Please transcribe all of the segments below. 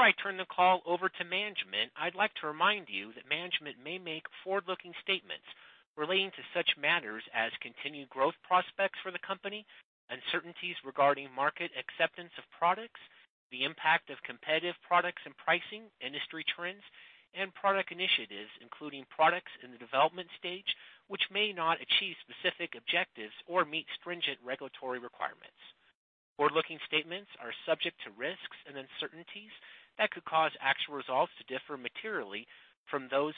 Before I turn the call over to management, I'd like to remind you that management may make forward-looking statements relating to such matters as continued growth prospects for the company, uncertainties regarding market acceptance of products, the impact of competitive products and pricing, industry trends and product initiatives, including products in the development stage which may not achieve specific objectives or meet stringent regulatory requirements. Forward-looking statements are subject to risks and uncertainties that could cause actual results to differ materially from those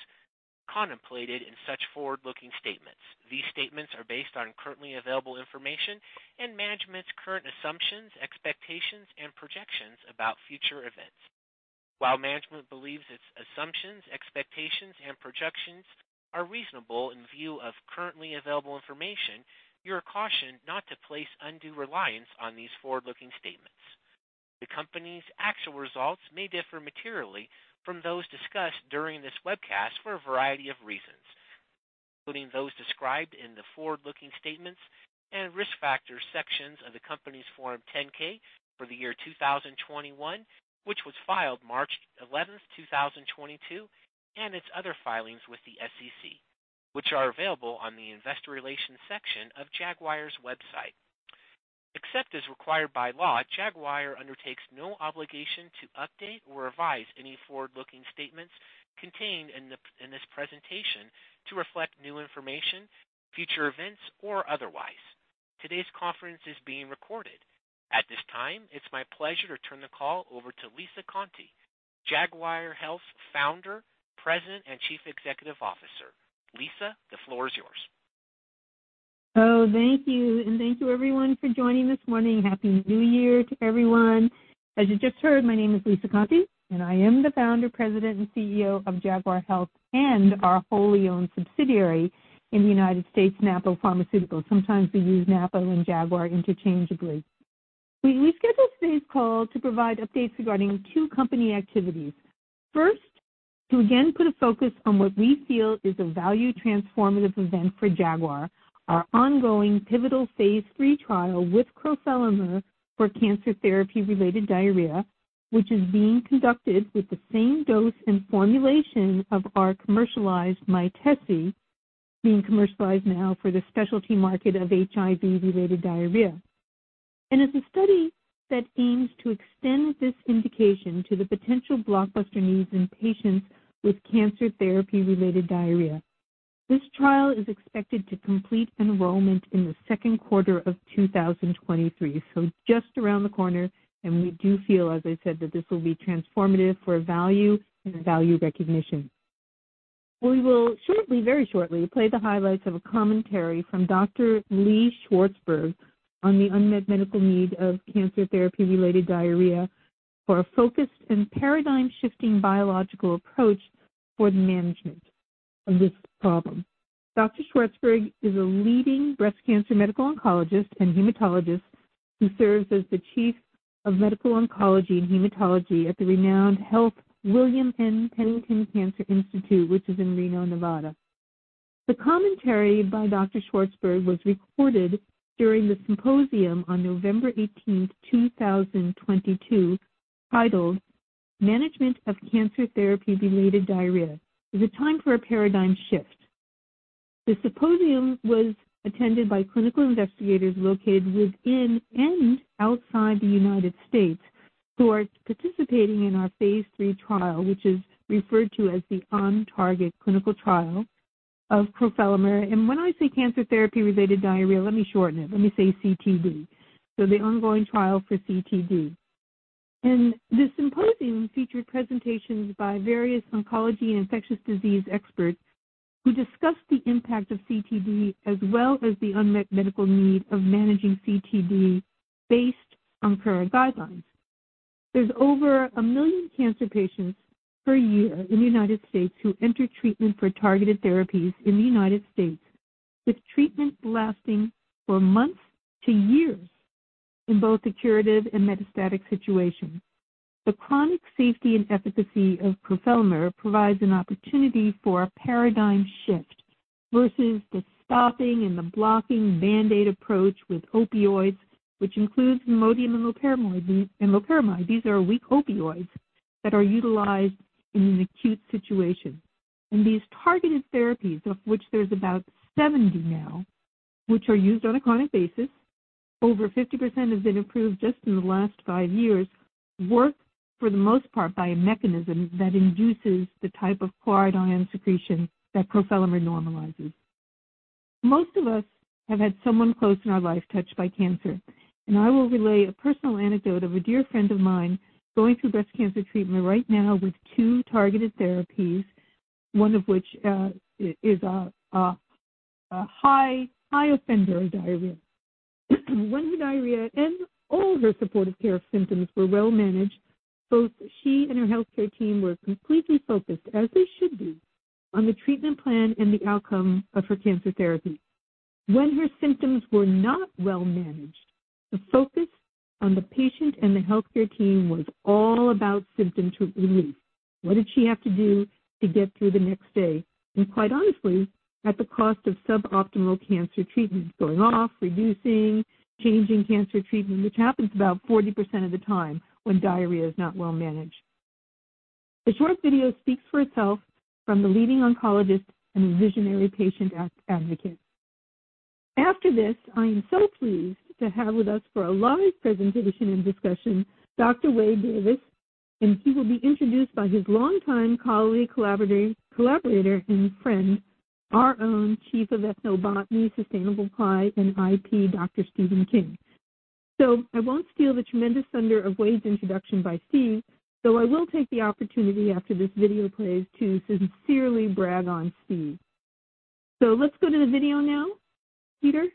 contemplated in such forward-looking statements. These statements are based on currently available information and management's current assumptions, expectations and projections about future events. While management believes its assumptions, expectations and projections are reasonable in view of currently available information, you are cautioned not to place undue reliance on these forward-looking statements. The company's actual results may differ materially from those discussed during this webcast for a variety of reasons, including those described in the forward-looking statements and risk factors sections of the company's Form 10-K for the year 2021, which was filed March 11th, 2022, and its other filings with the SEC, which are available on the investor relations section of Jaguar Health's website. Except as required by law, Jaguar Health undertakes no obligation to update or revise any forward-looking statements contained in this presentation to reflect new information, future events, or otherwise. Today's conference is being recorded. At this time, it's my pleasure to turn the call over to Lisa Conte, Jaguar Health's Founder, President and Chief Executive Officer. Lisa, the floor is yours. Thank you, and thank you, everyone, for joining this morning. Happy New Year to everyone. As you just heard, my name is Lisa Conte and I am the founder, president, and CEO of Jaguar Health and our wholly owned subsidiary in the United States, Napo Pharmaceuticals. Sometimes we use Napo and Jaguar interchangeably. We scheduled today's call to provide updates regarding two company activities. First, to again put a focus on what we feel is a value transformative event for Jaguar Health. Our ongoing pivotal phase III trial with crofelemer for cancer therapy-related diarrhea, which is being conducted with the same dose and formulation of our commercialized Mytesi, being commercialized now for the specialty market of HIV-related diarrhea, and is a study that aims to extend this indication to the potential blockbuster needs in patients with cancer therapy-related diarrhea. This trial is expected to complete enrollment in the second quarter of 2023. Just around the corner, and we do feel, as I said, that this will be transformative for value and value recognition. We will shortly, very shortly play the highlights of a commentary from Dr. Lee Schwartzberg on the unmet medical need of cancer therapy-related diarrhea for a focused and paradigm shifting biological approach for the management of this problem. Dr. Schwartzberg is a leading breast cancer medical oncologist and hematologist who serves as the Chief of Medical Oncology and Hematology at the Renown Health William N. Pennington Cancer Institute, which is in Reno, Nevada. The commentary by Dr. Schwartzberg was recorded during the symposium on November 18th, 2022, titled Management of Cancer Therapy-Related Diarrhea. Is It Time for a Paradigm Shift? The symposium was attended by clinical investigators located within and outside the United States who are participating in our phase III trial, which is referred to as the OnTarget clinical trial of crofelemer. When I say cancer therapy-related diarrhea, let me shorten it. Let me say CTD. The ongoing trial for CTD. The symposium featured presentations by various oncology and infectious disease experts who discussed the impact of CTD, as well as the unmet medical need of managing CTD based on current guidelines. There's over a million cancer patients per year in the United States who enter treatment for targeted therapies in the United States, with treatment lasting for months to years in both the curative and metastatic situations. The chronic safety and efficacy of crofelemer provides an opportunity for a paradigm shift versus the stopping and the blocking band-aid approach with opioids, which includes Lomotil and loperamide. These are weak opioids that are utilized in an acute situation. These targeted therapies, of which there's about 70 now, which are used on a chronic basis, over 50% have been approved just in the last five years, work for the most part by a mechanism that induces the type of chloride ion secretion that crofelemer normalizes. Most of us have had someone close in our life touched by cancer, and I will relay a personal anecdote of a dear friend of mine going through breast cancer treatment right now with two targeted therapies, one of which is a high offender of diarrhea. When the diarrhea and all of her supportive care symptoms were well managed, both she and her healthcare team were completely focused, as they should be, on the treatment plan and the outcome of her cancer therapy. When her symptoms were not well managed, the focus on the patient and the healthcare team was all about symptom relief. What did she have to do to get through the next day? Quite honestly, at the cost of suboptimal cancer treatment going off, reducing, changing cancer treatment, which happens about 40% of the time when diarrhea is not well managed. The short video speaks for itself from the leading oncologist and visionary patient advocate. After this, I am so pleased to have with us for a live presentation and discussion, Dr. Wade Davis, he will be introduced by his longtime colleague, collaborator and friend, our own Chief of Ethnobotany, Sustainable Supply and IP, Dr. Steven King. I won't steal the tremendous thunder of Wade's introduction by Steve, though I will take the opportunity after this video plays to sincerely brag on Steve. Let's go to the video now. Peter.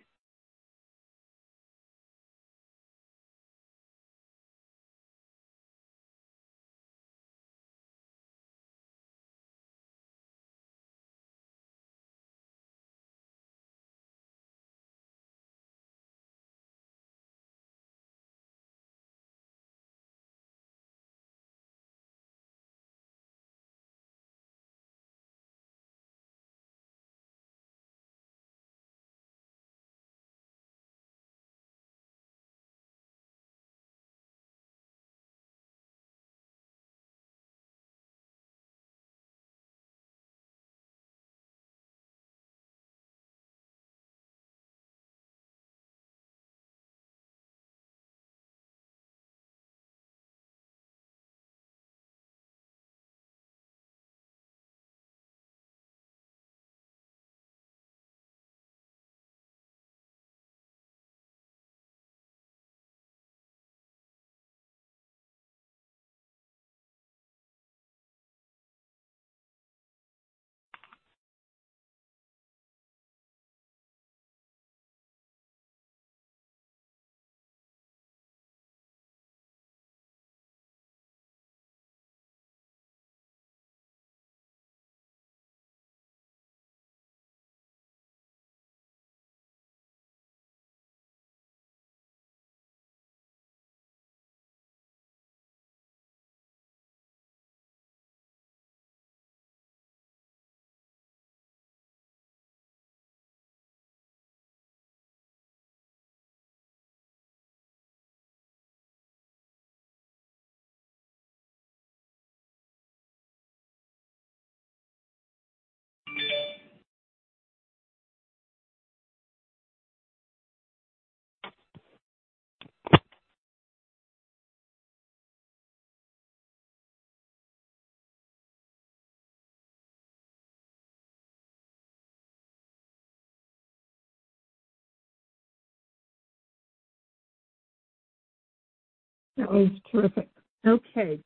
That was terrific. Okay.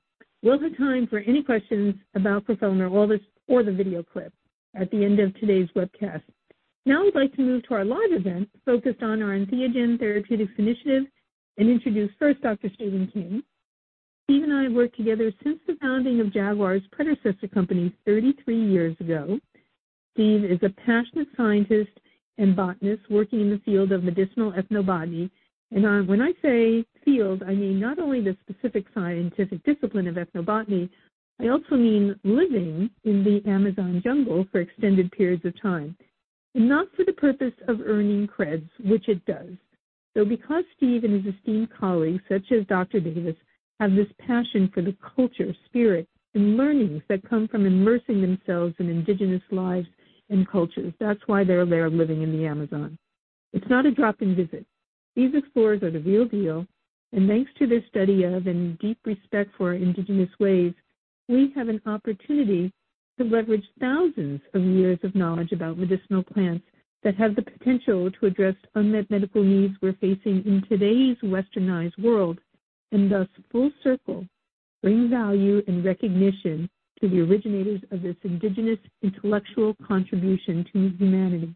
We'll have time for any questions about crofelemer or the video clip at the end of today's webcast. Now I'd like to move to our live event focused on our Entheogen Therapeutics Initiative and introduce first Dr. Steven King. Steve and I have worked together since the founding of Jaguar's predecessor company 33 years ago. Steve is a passionate scientist and botanist working in the field of medicinal ethnobotany. When I say field, I mean not only the specific scientific discipline of ethnobotany, I also mean living in the Amazon jungle for extended periods of time, and not for the purpose of earning creds, which it does. Because Steve and his esteemed colleagues, such as Dr. Davis, have this passion for the culture, spirit, and learnings that come from immersing themselves in indigenous lives and cultures, that's why they're there living in the Amazon. It's not a drop-in visit. These explorers are the real deal, and thanks to their study of and deep respect for indigenous ways, we have an opportunity to leverage thousands of years of knowledge about medicinal plants that have the potential to address unmet medical needs we're facing in today's westernized world, and thus full circle, bring value and recognition to the originators of this indigenous intellectual contribution to humanity.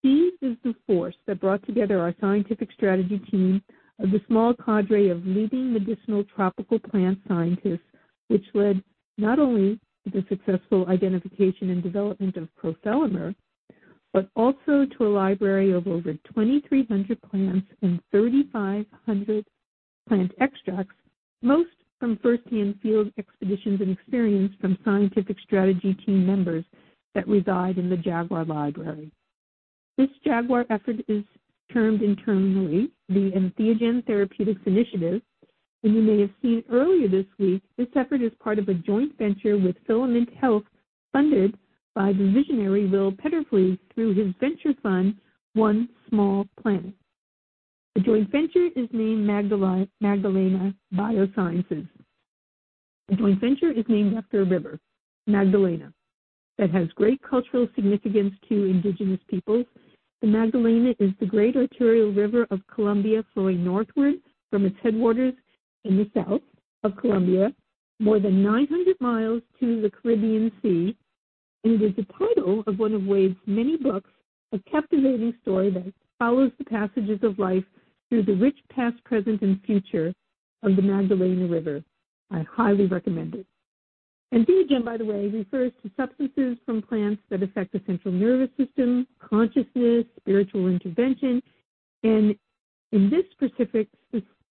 Steven King is the force that brought together our scientific strategy team of the small cadre of leading medicinal tropical plant scientists, which led not only to the successful identification and development of crofelemer, but also to a library of over 2,300 plants and 3,500 plant extracts, most from first-hand field expeditions and experience from scientific strategy team members that reside in the Jaguar library. This Jaguar effort is termed internally the Entheogen Therapeutics Initiative, and you may have seen earlier this week this effort is part of a joint venture with Filament Health, funded by the visionary Will Peterffy through his venture fund, One Small Planet. The joint venture is named Magdalena Biosciences. The joint venture is named after a river, Magdalena, that has great cultural significance to indigenous peoples. The Magdalena is the great arterial river of Colombia, flowing northward from its headwaters in the south of Colombia, more than 900 miles to the Caribbean Sea, and is the title of one of Wade's many books, a captivating story that follows the passages of life through the rich past, present, and future of the Magdalena River. I highly recommend it. Entheogen, by the way, refers to substances from plants that affect the central nervous system, consciousness, spiritual intervention. In this specific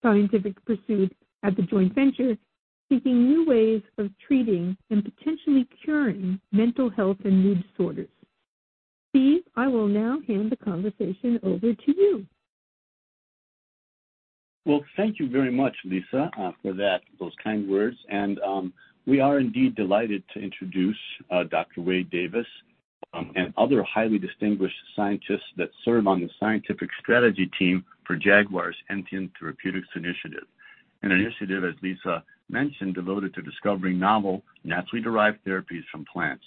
scientific pursuit at the joint venture, seeking new ways of treating and potentially curing mental health and mood disorders. Steve, I will now hand the conversation over to you. Well, thank you very much, Lisa, for that, those kind words. We are indeed delighted to introduce Dr. Wade Davis and other highly distinguished scientists that serve on the scientific strategy team for Jaguar's Entheogen Therapeutics Initiative. An initiative, as Lisa mentioned, devoted to discovering novel, naturally derived therapies from plants.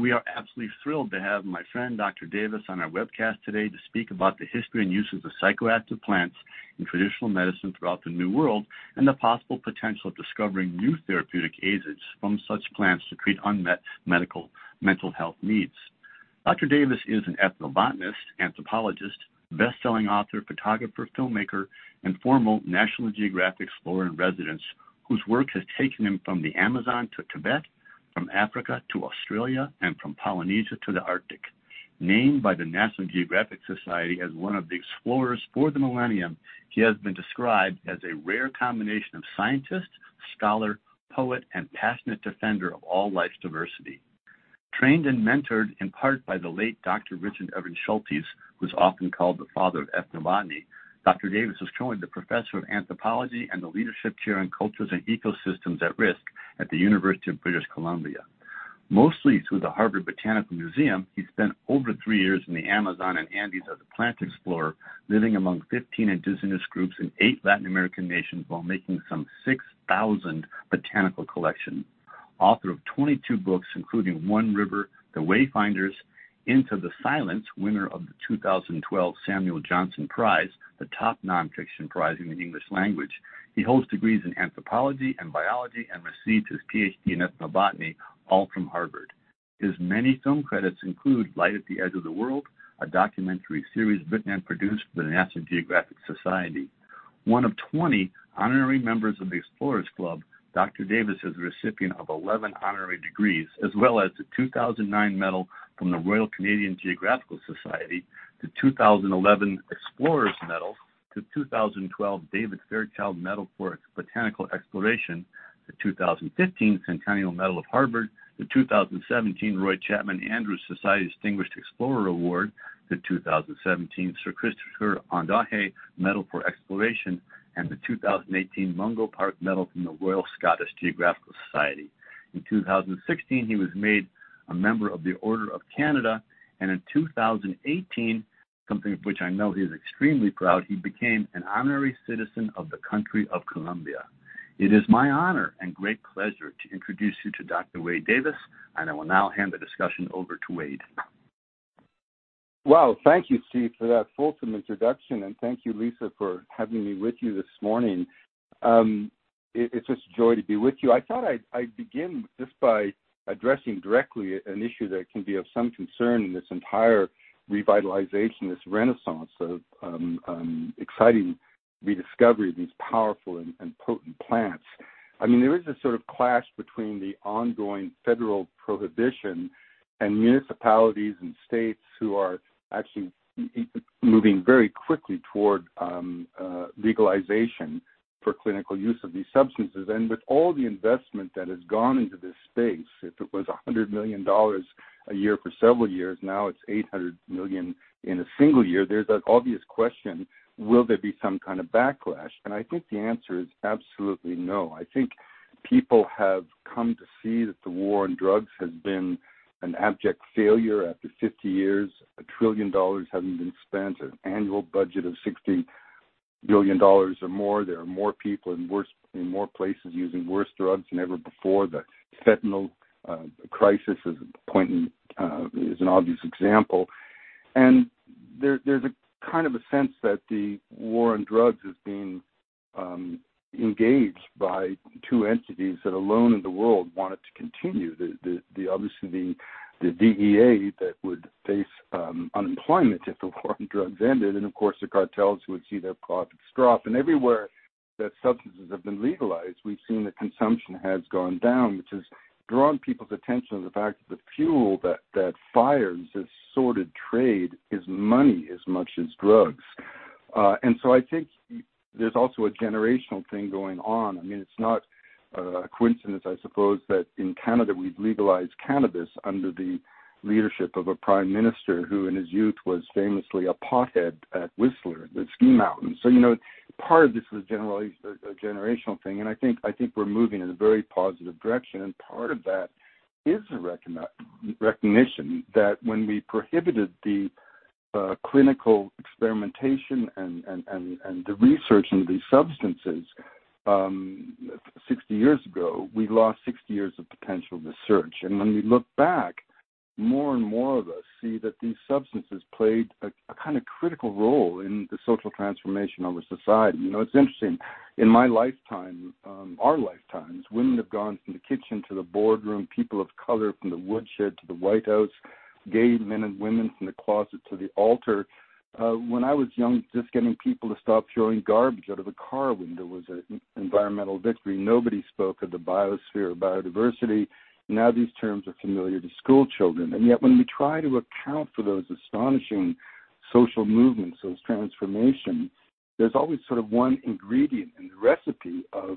We are absolutely thrilled to have my friend Dr. Davis on our webcast today to speak about the history and uses of psychoactive plants in traditional medicine throughout the New World, and the possible potential of discovering new therapeutic agents from such plants to treat unmet medical mental health needs. Dr. Davis is an ethnobotanist, anthropologist, best-selling author, photographer, filmmaker, and former National Geographic Explorer-in-Residence, whose work has taken him from the Amazon to Tibet, from Africa to Australia, and from Polynesia to the Arctic. Named by the National Geographic Society as one of the explorers for the millennium, he has been described as a rare combination of scientist, scholar, poet, and passionate defender of all life's diversity. Trained and mentored in part by the late Dr. Richard Evans Schultes, who's often called the father of ethnobotany, Dr. Davis is currently the professor of anthropology and the leadership chair in cultures and ecosystems at risk at the University of British Columbia. Mostly through the Harvard Botanical Museum, he spent over three years in the Amazon and Andes as a plant explorer, living among 15 indigenous groups in eight Latin American nations while making some 6,000 botanical collections. Author of 22 books, including One River, The Wayfinders, Into the Silence, winner of the 2012 Samuel Johnson Prize, the top nonfiction prize in the English language. He holds degrees in anthropology and biology and received his PhD in ethnobotany, all from Harvard. His many film credits include Light at the Edge of the World, a documentary series written and produced for the National Geographic Society. One of 20 honorary members of The Explorers Club, Dr. Davis is a recipient of 11 honorary degrees, as well as the 2009 medal from The Royal Canadian Geographical Society, the 2011 Explorers Medal, the 2012 David Fairchild Medal for Botanical Exploration, the 2015 Harvard Centennial Medal, the 2017 Roy Chapman Andrews Society Distinguished Explorer Award, the 2017 Sir Christopher Ondaatje Medal for Exploration, and the 2018 Mungo Park Medal from the Royal Scottish Geographical Society. In 2016, he was made a member of the Order of Canada, and in 2018, something of which I know he is extremely proud, he became an honorary citizen of the country of Colombia. It is my honor and great pleasure to introduce you to Dr. Wade Davis. I will now hand the discussion over to Wade. Wow. Thank you, Steve, for that fulsome introduction. Thank you, Lisa, for having me with you this morning. It's just a joy to be with you. I thought I'd begin just by addressing directly an issue that can be of some concern in this entire revitalization, this renaissance of exciting rediscovery of these powerful and potent plants. I mean, there is a sort of clash between the ongoing federal prohibition and municipalities and states who are actually moving very quickly toward legalization for clinical use of these substances. With all the investment that has gone into this space, if it was $100 million a year for several years, now it's $800 million in a single year. There's that obvious question, will there be some kind of backlash? I think the answer is absolutely no. I think people have come to see that the war on drugs has been an abject failure. After 50 years, $1 trillion having been spent, an annual budget of $60 billion or more. There are more people in more places using worse drugs than ever before. The fentanyl crisis is a poignant, is an obvious example. There, there's a kind of a sense that the war on drugs is being engaged by two entities that alone in the world want it to continue. The obviously the DEA that would face unemployment if the war on drugs ended, and of course, the cartels would see their profits drop. Everywhere that substances have been legalized, we've seen that consumption has gone down, which has drawn people's attention to the fact that the fuel that fires this sordid trade is money as much as drugs. So I think there's also a generational thing going on. I mean, it's not a coincidence, I suppose, that in Canada we've legalized cannabis under the leadership of a prime minister who in his youth was famously a pothead at Whistler, the ski mountain. You know, part of this is generally a generational thing, and I think we're moving in a very positive direction. Part of that is a recognition that when we prohibited the clinical experimentation and the research into these substances, 60 years ago, we lost 60 years of potential research. When we look back, more and more of us see that these substances played a kind of critical role in the social transformation of our society. You know, it's interesting, in my lifetime, our lifetimes, women have gone from the kitchen to the boardroom, people of color from the woodshed to the White House, gay men and women from the closet to the altar. When I was young, just getting people to stop throwing garbage out of a car window was an environmental victory. Nobody spoke of the biosphere or biodiversity. Now these terms are familiar to schoolchildren. Yet when we try to account for those astonishing social movements, those transformations, there's always sort of one ingredient in the recipe of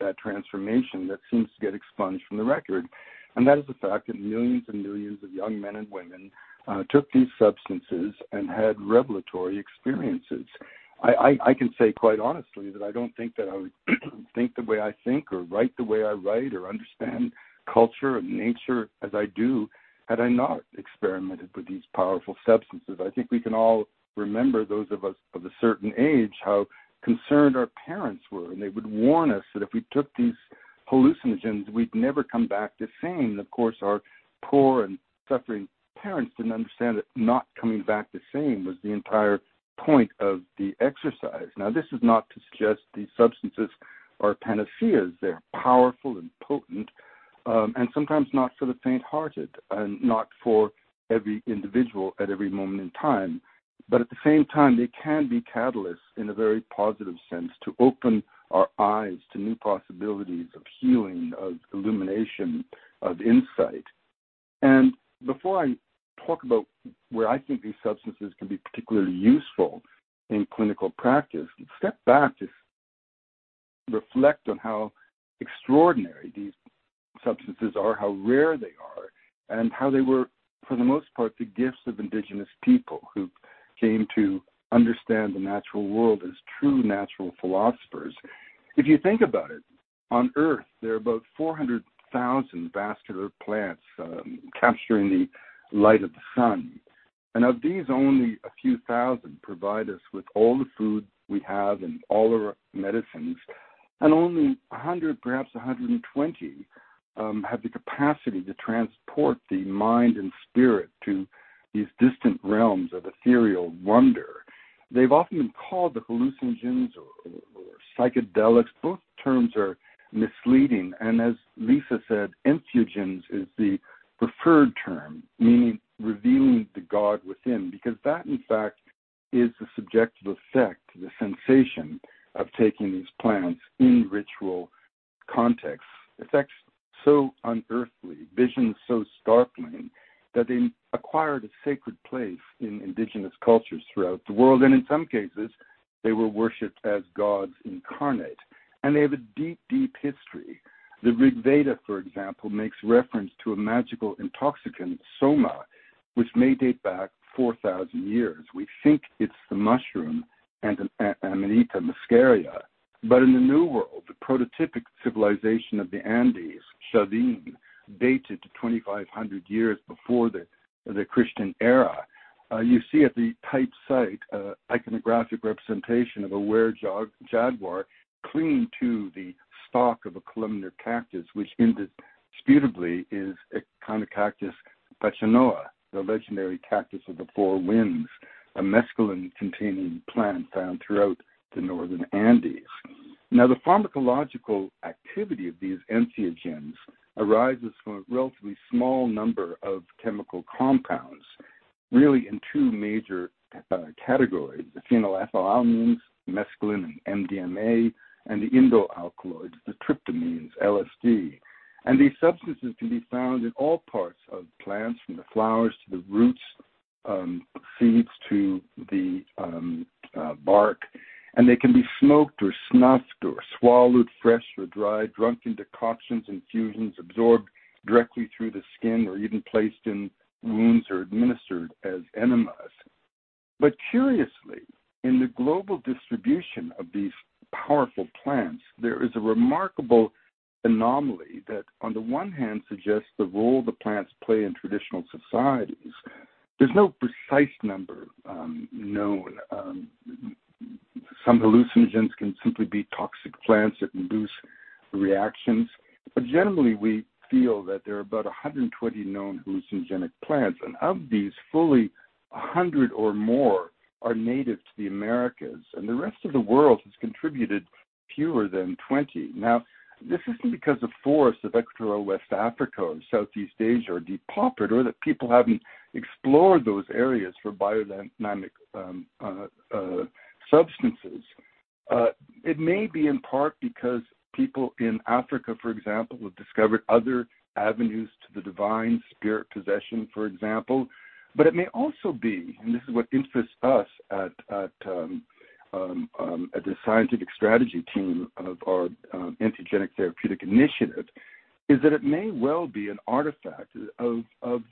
that transformation that seems to get expunged from the record, and that is the fact that millions and millions of young men and women took these substances and had revelatory experiences. I can say quite honestly that I don't think that I would think the way I think or write the way I write or understand culture and nature as I do had I not experimented with these powerful substances. I think we can all remember, those of us of a certain age, how concerned our parents were, and they would warn us that if we took these hallucinogens, we'd never come back the same. Of course, our poor and suffering parents didn't understand that not coming back the same was the entire point of the exercise. This is not to suggest these substances are panaceas. They're powerful and potent, and sometimes not for the faint-hearted and not for every individual at every moment in time. At the same time, they can be catalysts in a very positive sense to open our eyes to new possibilities of healing, of illumination, of insight. Before I talk about where I think these substances can be particularly useful in clinical practice, step back to reflect on how extraordinary these substances are, how rare they are, and how they were, for the most part, the gifts of indigenous people who came to understand the natural world as true natural philosophers. If you think about it, on Earth, there are about 400,000 vascular plants, capturing the light of the sun. Of these, only a few thousand provide us with all the food we have and all of our medicines. Only 100, perhaps 120, have the capacity to transport the mind and spirit to these distant realms of ethereal wonder. They've often been called the hallucinogens or psychedelics. Both terms are misleading. As Lisa said, entheogens is the preferred term, meaning revealing the god within. Because that, in fact, is the subjective effect, the sensation of taking these plants in ritual context. Effects so unearthly, visions so startling, that they acquired a sacred place in indigenous cultures throughout the world, and in some cases, they were worshiped as gods incarnate. They have a deep, deep history. The Rig Veda, for example, makes reference to a magical intoxicant, soma, which may date back 4,000 years. We think it's the mushroom and Amanita muscaria. In the New World, the prototypic civilization of the Andes, Chavin, dated to 2,500 years before the Christian era. You see at the type site, iconographic representation of a werejaguar clinging to the stalk of a columnar cactus, which indisputably is Echinopsis pachanoi, the legendary cactus of the four winds, a mescaline-containing plant found throughout the northern Andes. The pharmacological activity of these entheogens arises from a relatively small number of chemical compounds, really in two major categories: the phenethylamines, mescaline, and MDMA, and the indole alkaloids, the tryptamines, LSD. These substances can be found in all parts of plants from the flowers to the roots, seeds to the bark, and they can be smoked or snuffed or swallowed fresh or dried, drunk in decoctions, infusions, absorbed directly through the skin, or even placed in wounds or administered as enemas. Curiously, in the global distribution of these powerful plants, there is a remarkable anomaly that, on the one hand, suggests the role the plants play in traditional societies. There's no precise number known. Some hallucinogens can simply be toxic plants that induce reactions. Generally, we feel that there are about 120 known hallucinogenic plants, and of these, fully 100 or more are native to the Americas, and the rest of the world has contributed fewer than 20. This isn't because the forests of Equatorial West Africa or Southeast Asia are depauperate or that people haven't explored those areas for biodynamic substances. It may be in part because people in Africa, for example, have discovered other avenues to the divine spirit possession, for example. It may also be, and this is what interests us at the scientific strategy team of our Entheogen Therapeutics Initiative, is that it may well be an artifact of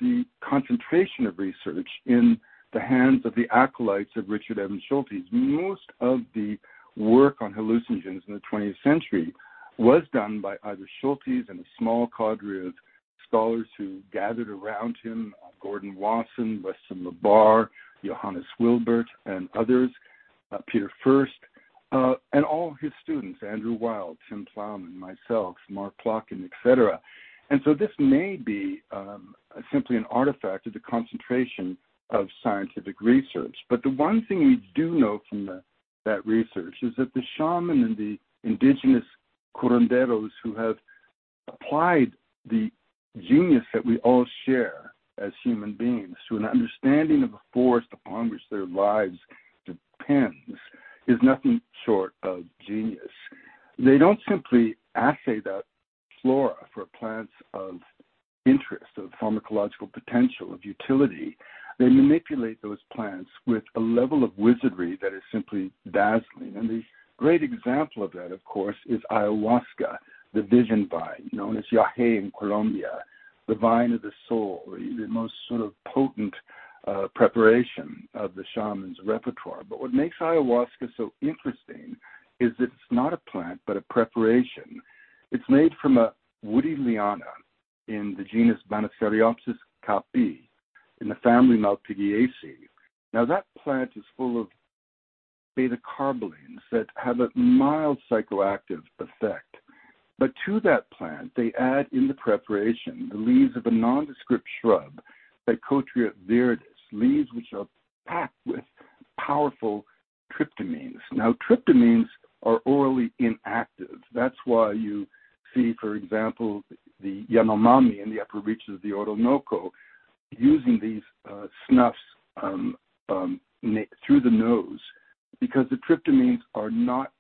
the concentration of research in the hands of the acolytes of Richard Evans Schultes. Most of the work on hallucinogens in the twentieth century was done by either Schultes and a small cadre of scholars who gathered around him, Gordon Wasson, Weston La Barre, Johannes Wilbert, and others, Peter Furst, and all his students, Andrew Weil, Tim Plowman, myself, Mark Plotkin, et cetera. This may be simply an artifact of the concentration of scientific research. The one thing we do know from that research is that the shaman and the indigenous curanderos who have applied the genius that we all share as human beings to an understanding of a force upon which their lives depends is nothing short of genius. They don't simply assay the flora for plants of interest, of pharmacological potential, of utility. They manipulate those plants with a level of wizardry that is simply dazzling. The great example of that, of course, is ayahuasca, the vision vine, known as yagé in Colombia, the vine of the soul. The most sort of potent preparation of the shaman's repertoire. What makes ayahuasca so interesting is it's not a plant, but a preparation. It's made from a woody liana in the genus Banisteriopsis caapi in the family Malpighiaceae. That plant is full of beta-carbolines that have a mild psychoactive effect. To that plant, they add in the preparation the leaves of a nondescript shrub, Psychotria viridis, leaves which are packed with powerful tryptamines. Tryptamines are orally inactive. That's why you see, for example, the Yanomami in the upper reaches of the Orinoco using these snuffs through the nose because the tryptamines are not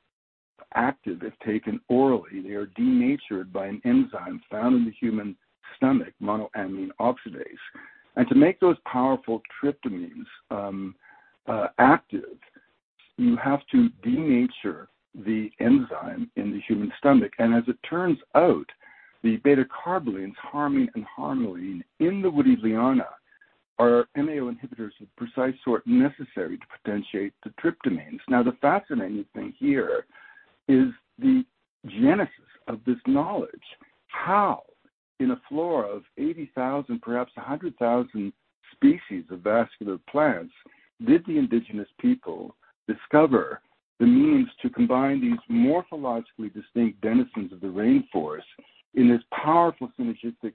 active if taken orally. They are denatured by an enzyme found in the human stomach, monoamine oxidase. To make those powerful tryptamines active, you have to denature the enzyme in the human stomach. As it turns out, the beta-carbolines, harmine and harmaline in the woody liana are MAO inhibitors of precise sort necessary to potentiate the tryptamines. The fascinating thing here is the genesis of this knowledge. How in a flora of 80,000, perhaps 100,000 species of vascular plants, did the indigenous people discover the means to combine these morphologically distinct denizens of the rainforest in this powerful synergistic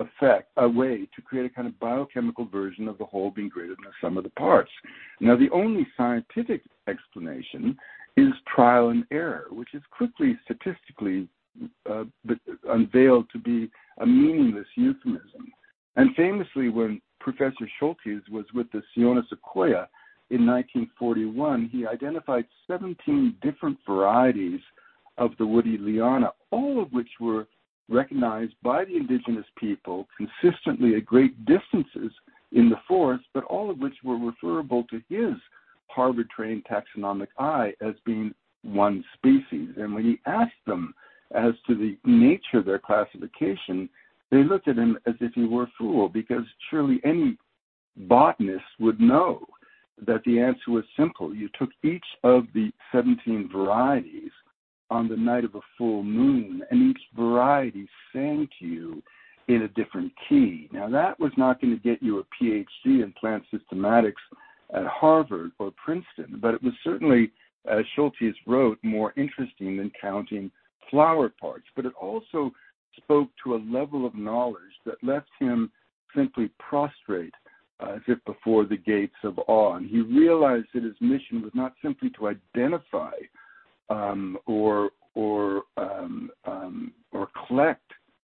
effect, a way to create a kind of biochemical version of the whole being greater than the sum of the parts? The only scientific explanation is trial and error, which is quickly, statistically unveiled to be a meaningless euphemism. Famously, when Professor Schultes was with the Siona-Secoya in 1941, he identified 17 different varieties of the woody liana, all of which were recognized by the indigenous people consistently at great distances in the forest, but all of which were referable to his Harvard-trained taxonomic eye as being one species. When he asked them as to the nature of their classification, they looked at him as if he were a fool because surely any botanist would know that the answer was simple. You took each of the 17 varieties on the night of a full moon, and each variety sang to you in a different key. That was not gonna get you a PhD in plant systematics at Harvard or Princeton, but it was certainly, as Schultes wrote, more interesting than counting flower parts. It also spoke to a level of knowledge that left him simply prostrate as if before the gates of awe. He realized that his mission was not simply to identify, or collect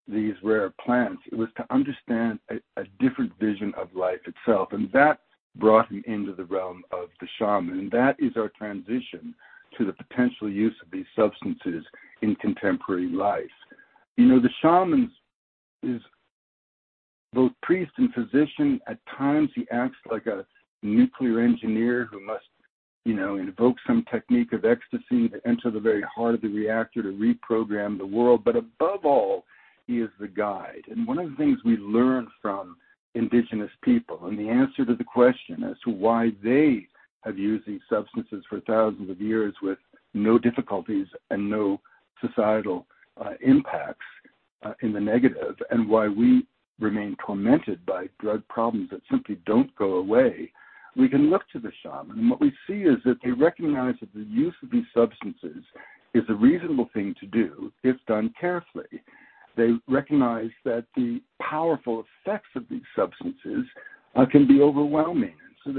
these rare plants. It was to understand a different vision of life itself, and that brought him into the realm of the shaman, and that is our transition to the potential use of these substances in contemporary life. You know, the shaman's both priest and physician. At times, he acts like a nuclear engineer who must, you know, invoke some technique of ecstasy to enter the very heart of the reactor to reprogram the world. Above all, he is the guide. One of the things we learn from indigenous people, and the answer to the question as to why they have used these substances for thousands of years with no difficulties and no societal impacts in the negative, and why we remain tormented by drug problems that simply don't go away, we can look to the shaman. What we see is that they recognize that the use of these substances is a reasonable thing to do if done carefully. They recognize that the powerful effects of these substances can be overwhelming, and so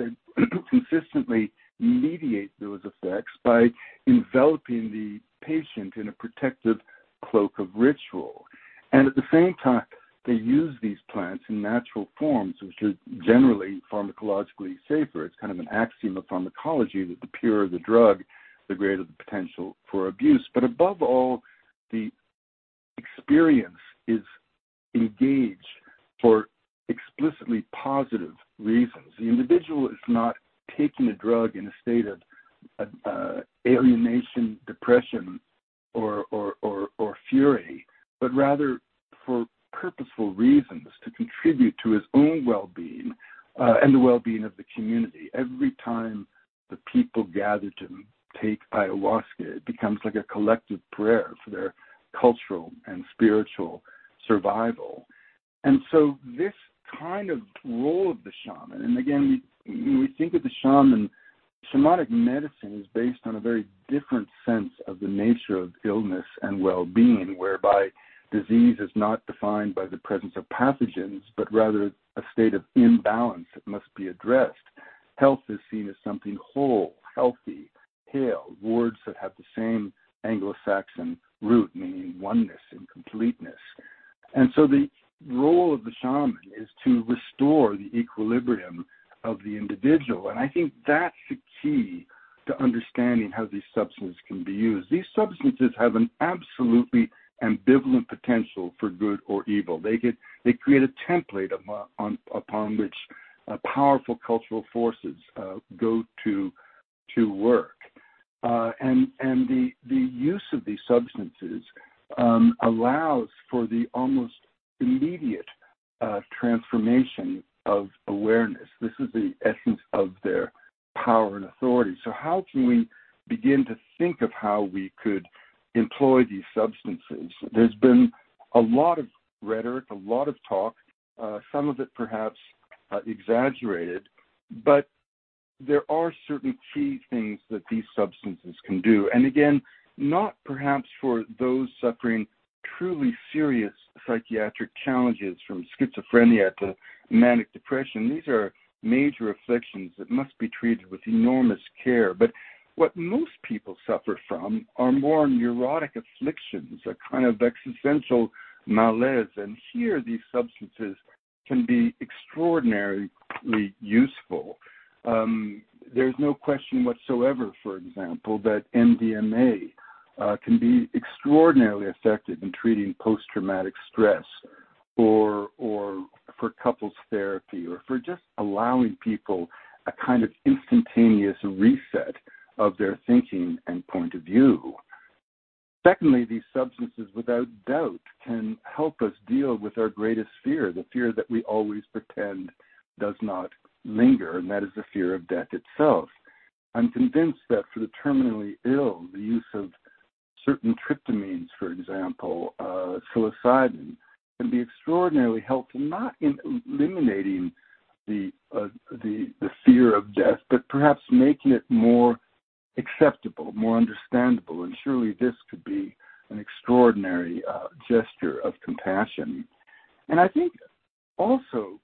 they consistently mediate those effects by enveloping the patient in a protective cloak of ritual. At the same time, they use these plants in natural forms, which is generally pharmacologically safer. It's kind of an axiom of pharmacology that the purer the drug, the greater the potential for abuse. Above all, the experience is engaged for explicitly positive reasons. The individual is not taking a drug in a state of alienation, depression, or fury, but rather for purposeful reasons to contribute to his own well-being and the well-being of the community. Every time the people gather to take ayahuasca, it becomes like a collective prayer for their cultural and spiritual survival. This kind of role of the shaman, and again, when we think of the shaman, shamanic medicine is based on a very different sense of the nature of illness and well-being, whereby disease is not defined by the presence of pathogens, but rather a state of imbalance that must be addressed. Health is seen as something whole, healthy, hale, words that have the same Anglo-Saxon root, meaning oneness and completeness. The role of the shaman is to restore the equilibrium of the individual, and I think that's the key to understanding how these substances can be used. These substances have an absolutely ambivalent potential for good or evil. They create a template upon which powerful cultural forces go to work. The use of these substances allows for the almost immediate transformation of awareness. This is the essence of their power and authority. How can we begin to think of how we could employ these substances? There's been a lot of rhetoric, a lot of talk, some of it perhaps exaggerated, but there are certain key things that these substances can do, and again, not perhaps for those suffering truly serious psychiatric challenges from schizophrenia to manic depression. These are major afflictions that must be treated with enormous care. What most people suffer from are more neurotic afflictions, a kind of existential malaise, and here, these substances can be extraordinarily useful. There's no question whatsoever, for example, that MDMA can be extraordinarily effective in treating post-traumatic stress or for couples therapy, or for just allowing people a kind of instantaneous reset of their thinking and point of view. Secondly, these substances without doubt can help us deal with our greatest fear, the fear that we always pretend does not linger, and that is the fear of death itself. I'm convinced that for the terminally ill, the use of certain tryptamines, for example, psilocybin, can be extraordinarily helpful, not in eliminating the fear of death, but perhaps making it more acceptable, more understandable, and surely this could be an extraordinary gesture of compassion. I think also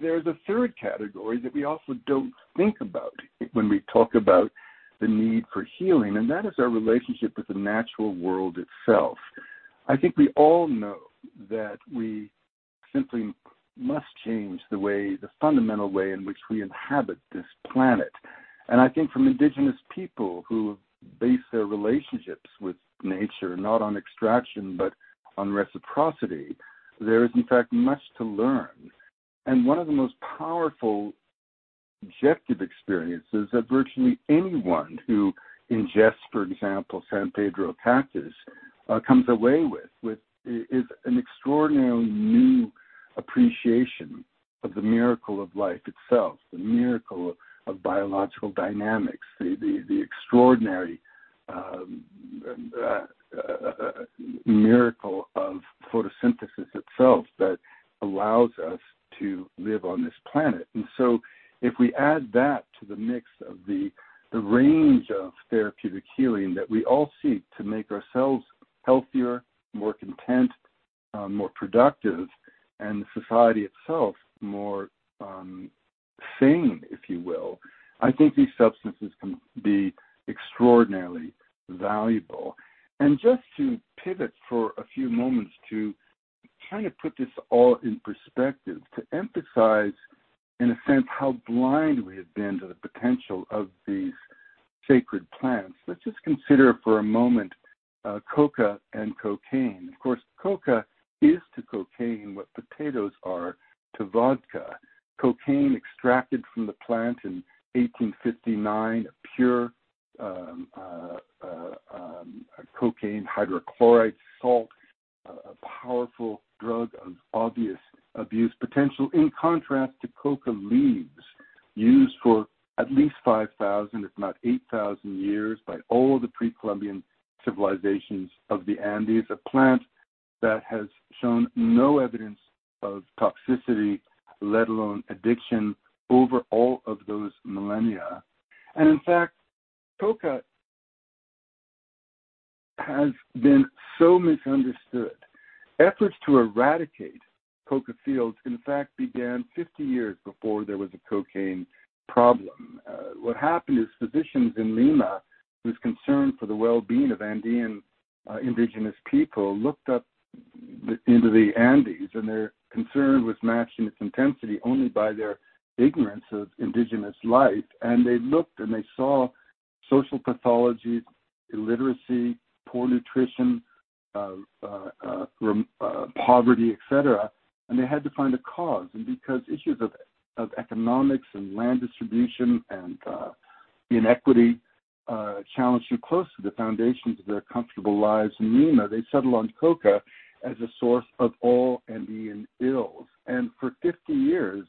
there's a third category that we also don't think about when we talk about the need for healing, and that is our relationship with the natural world itself. I think we all know that we simply must change the way, the fundamental way in which we inhabit this planet. I think from indigenous people who base their relationships with nature, not on extraction, but on reciprocity, there is in fact much to learn. One of the most powerful objective experiences that virtually anyone who ingests, for example, San Pedro cactus, comes away with. is an extraordinarily new appreciation of the miracle of life itself, the miracle of biological dynamics, the extraordinary miracle of photosynthesis itself that allows us to live on this planet. If we add that to the mix of the range of therapeutic healing that we all seek to make ourselves healthier, more content, more productive, and the society itself more sane, if you will, I think these substances can be extraordinarily valuable. Just to pivot for a few moments to kind of put this all in perspective, to emphasize, in a sense, how blind we have been to the potential of these sacred plants, let's just consider for a moment, coca and cocaine. Of course, coca is to cocaine what potatoes are to vodka. Cocaine extracted from the plant in 1859, a pure cocaine hydrochloride salt, a powerful drug of obvious abuse potential, in contrast to coca leaves used for at least 5,000, if not 8,000 years by all the pre-Columbian civilizations of the Andes. A plant that has shown no evidence of toxicity, let alone addiction, over all of those millennia. In fact, coca has been so misunderstood. Efforts to eradicate coca fields, in fact, began 50 years before there was a cocaine problem. What happened is physicians in Lima, who's concerned for the well-being of Andean indigenous people, looked up into the Andes, their concern was matched in its intensity only by their ignorance of indigenous life. They looked, they saw social pathologies, illiteracy, poor nutrition, poverty, etc., they had to find a cause. Because issues of economics and land distribution and inequity challenged too close to the foundations of their comfortable lives in Lima, they settled on coca as a source of all Andean ills. For 50 years,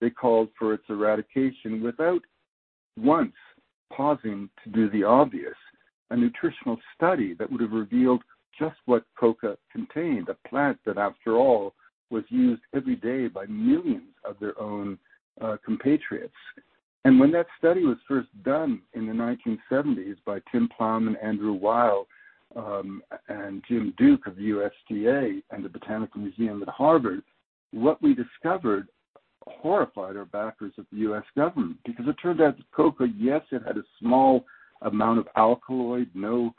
they called for its eradication without once pausing to do the obvious, a nutritional study that would have revealed just what coca contained. A plant that, after all, was used every day by millions of their own compatriots. When that study was first done in the 1970s by Tim Plowman, Andrew Weil, and Jim Duke of USDA and the Botanical Museum at Harvard, what we discovered horrified our backers of the U.S. government because it turned out coca, yes, it had a small amount of alkaloid, no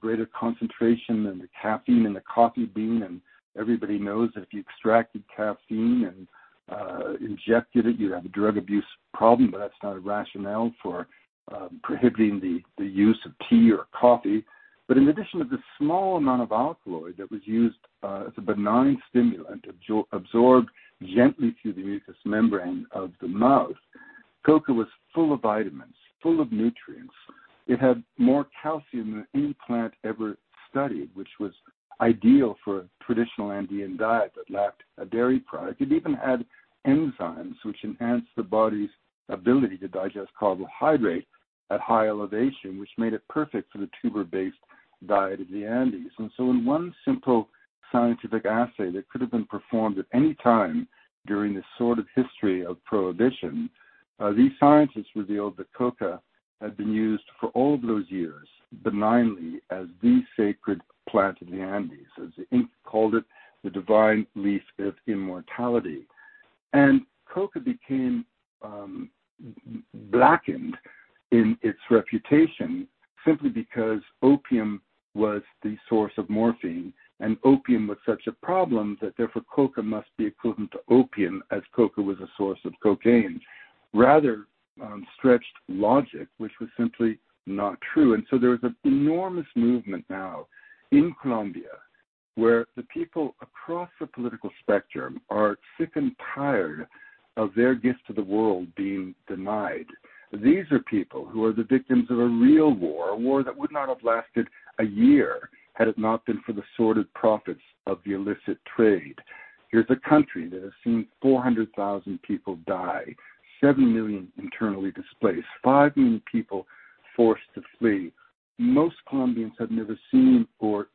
greater concentration than the caffeine in the coffee bean. Everybody knows if you extracted caffeine and injected it, you'd have a drug abuse problem. That's not a rationale for prohibiting the use of tea or coffee. In addition to the small amount of alkaloid that was used as a benign stimulant absorbed gently through the mucous membrane of the mouth, coca was full of vitamins, full of nutrients. It had more calcium than any plant ever studied, which was ideal for a traditional Andean diet that lacked a dairy product. It even had enzymes which enhanced the body's ability to digest carbohydrates at high elevation, which made it perfect for the tuber-based diet of the Andes. In one simple scientific assay that could have been performed at any time during the sordid history of prohibition, these scientists revealed that coca had been used for all those years benignly as the sacred plant in the Andes, as the Incas called it, the divine leaf of immortality. Coca became blackened in its reputation simply because opium was the source of morphine. Opium was such a problem that therefore coca must be equivalent to opium, as coca was a source of cocaine. Rather, stretched logic, which was simply not true. There is an enormous movement now in Colombia, where the people across the political spectrum are sick and tired of their gift to the world being denied. These are people who are the victims of a real war, a war that would not have lasted a year had it not been for the sordid profits of the illicit trade. Here's a country that has seen 400,000 people die, seven million internally displaced, five million people forced to flee. Most Colombians have never seen or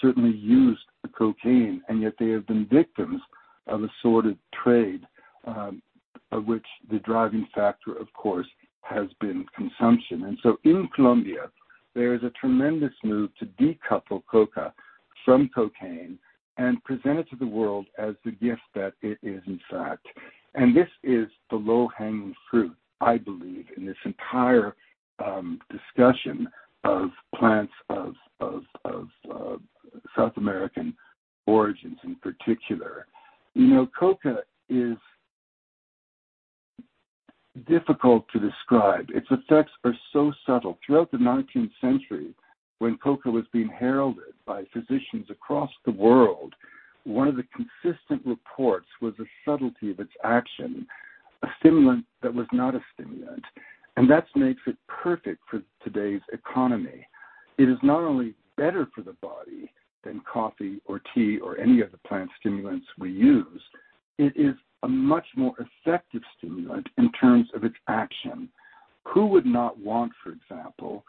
certainly used cocaine, yet they have been victims of a sordid trade, of which the driving factor, of course, has been consumption. In Colombia, there is a tremendous move to decouple coca from cocaine and present it to the world as the gift that it is, in fact. This is the low-hanging fruit, I believe, in this entire discussion of plants of South American origins in particular. You know, coca is difficult to describe. Its effects are so subtle. Throughout the 19th century, when coca was being heralded by physicians across the world, one of the consistent reports was the subtlety of its action, a stimulant that was not a stimulant. That's made it perfect for today's economy. It is not only better for the body than coffee or tea or any of the plant stimulants we use, it is a much more effective stimulant in terms of its action. Who would not want, for example,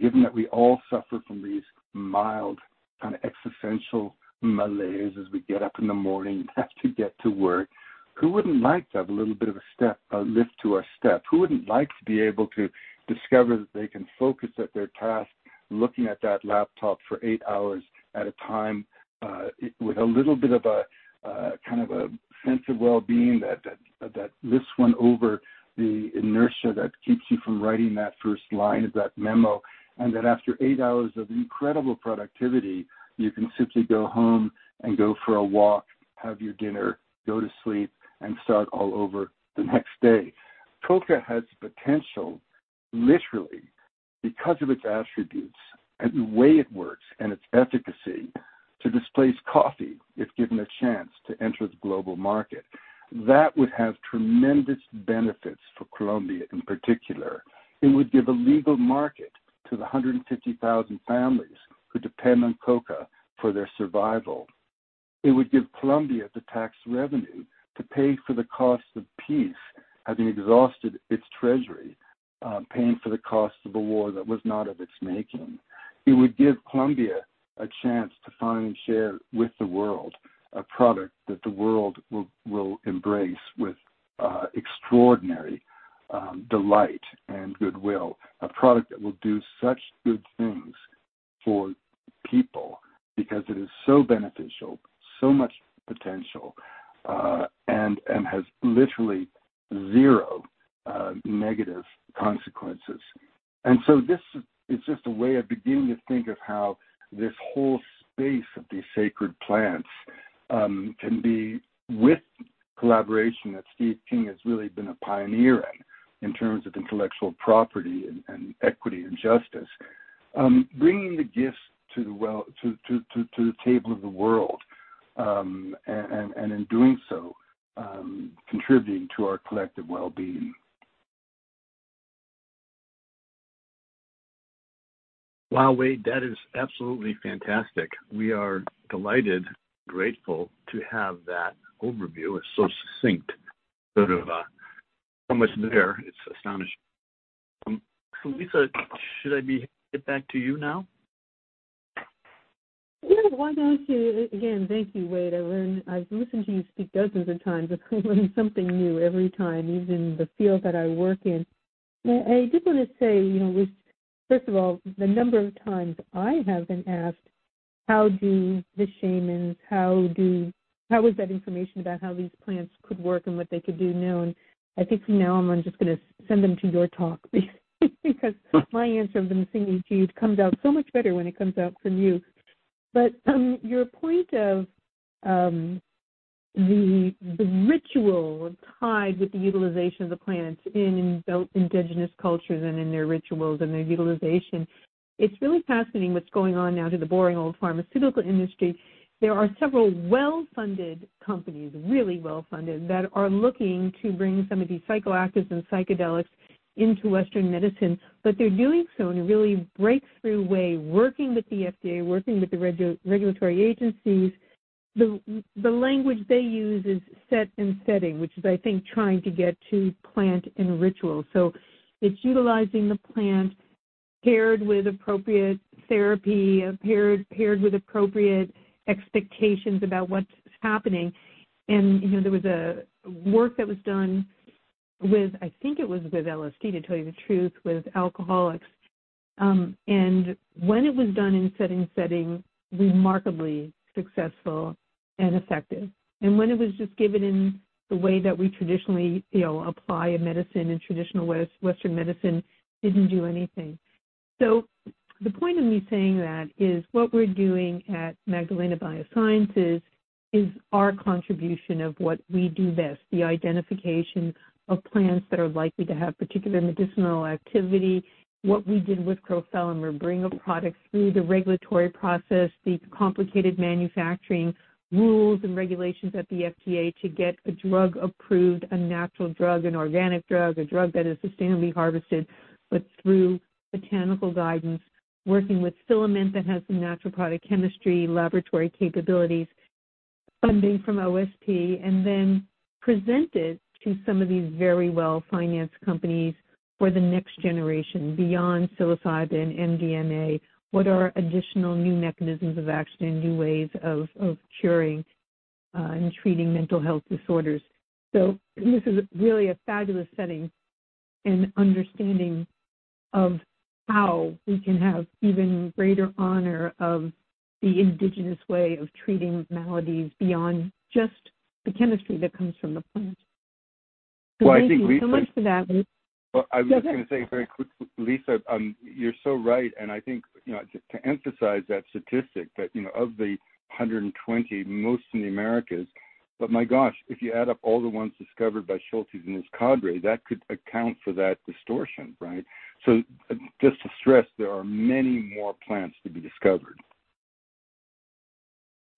given that we all suffer from these mild kind of existential malaise as we get up in the morning and have to get to work, who wouldn't like to have a little bit of a step, a lift to our step? Who wouldn't like to be able to discover that they can focus at their task, looking at that laptop for eight hours at a time, with a little bit of a kind of a sense of well-being that lifts one over the inertia that keeps you from writing that first line of that memo? After eight hours of incredible productivity, you can simply go home and go for a walk, have your dinner, go to sleep, and start all over the next day. coca has the potential, literally, because of its attributes and the way it works and its efficacy, to displace coffee if given a chance to enter the global market. That would have tremendous benefits for Colombia in particular. It would give a legal market to the 150,000 families who depend on coca for their survival. It would give Colombia the tax revenue to pay for the cost of peace, having exhausted its treasury, paying for the cost of a war that was not of its making. It would give Colombia a chance to finally share with the world a product that the world will embrace with extraordinary delight and goodwill. A product that will do such good things for people because it is so beneficial, so much potential, and has literally zero negative consequences. This is just a way of beginning to think of how this whole space of these sacred plants can be with collaboration that Steven King has really been a pioneer in terms of intellectual property and equity and justice. Bringing the gifts to the table of the world. In doing so, contributing to our collective well-being. Wow. Wade, that is absolutely fantastic. We are delighted, grateful to have that overview. It's so succinct, sort of, so much there. It's astonishing. Lisa, should I be Get back to you now? Yeah. Again, thank you, Wade. I've listened to you speak dozens of times, and I learn something new every time, even in the field that I work in. I did want to say, you know, First of all, the number of times I have been asked How do the shamans, how is that information about how these plants could work and what they could do known? I think from now on, I'm just gonna send them to your talk because my answer, I'm saying to you, it comes out so much better when it comes out from you. Your point of the ritual tied with the utilization of the plants in both indigenous cultures and in their rituals and their utilization, it's really fascinating what's going on now to the boring old pharmaceutical industry. There are several well-funded companies, really well-funded, that are looking to bring some of these psychoactives and psychedelics into Western medicine, but they're doing so in a really breakthrough way, working with the FDA, working with the regulatory agencies. The language they use is set and setting, which is, I think, trying to get to plant and ritual. It's utilizing the plant paired with appropriate therapy, paired with appropriate expectations about what's happening. You know, there was a work that was done with I think it was with LSD, to tell you the truth, with alcoholics. When it was done in set and setting, remarkably successful and effective. When it was just given in the way that we traditionally, you know, apply a medicine in traditional Western medicine, didn't do anything. The point of me saying that is what we're doing at Magdalena Biosciences is our contribution of what we do best, the identification of plants that are likely to have particular medicinal activity. What we did with crofelemer, bring a product through the regulatory process, the complicated manufacturing rules and regulations at the FDA to get a drug approved, a natural drug, an organic drug, a drug that is sustainably harvested, but through botanical guidance, working with Filament that has the natural product chemistry, laboratory capabilities, funding from OSP, and then present it to some of these very well-financed companies for the next generation. Beyond psilocybin, MDMA, what are additional new mechanisms of action and new ways of curing and treating mental health disorders? This is really a fabulous setting and understanding of how we can have even greater honor of the indigenous way of treating maladies beyond just the chemistry that comes from the plant. Well, I think. Thank you so much for that, Wade. I was gonna say very quickly, Lisa, you're so right, and I think, you know, to emphasize that statistic that, you know, of the 120, most in the Americas. My gosh, if you add up all the ones discovered by Schultes and his cadre, that could account for that distortion, right? Just to stress, there are many more plants to be discovered.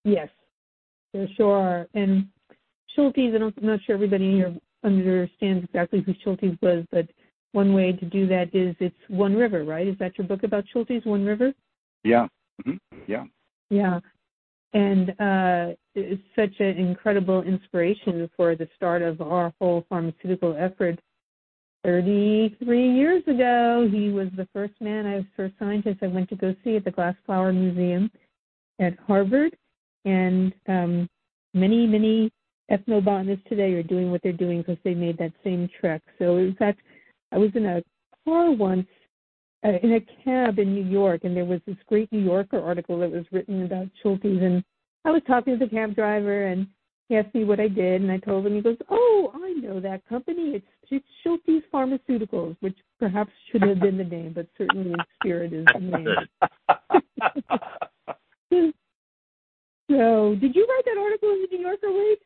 Yes. There sure are. Schultes, I'm not sure everybody here understands exactly who Schultes was, but one way to do that is it's One River, right? Is that your book about Schultes, One River? Yeah. Mm-hmm. Yeah. Yeah. it's such an incredible inspiration for the start of our whole pharmaceutical effort. 33 years ago, he was the first man, first scientist I went to go see at the Glass Flower Museum at Harvard. many, many ethnobotanists today are doing what they're doing because they made that same trek. In fact, I was in a car once, in a cab in New York, and there was this great New Yorker article that was written about Schultes, and I was talking to the cab driver, and he asked me what I did. I told him, he goes, "Oh, I know that company. It's Schultes Pharmaceuticals," which perhaps should have been the name, but certainly in spirit is named. Did you write that article in the New Yorker, Wade?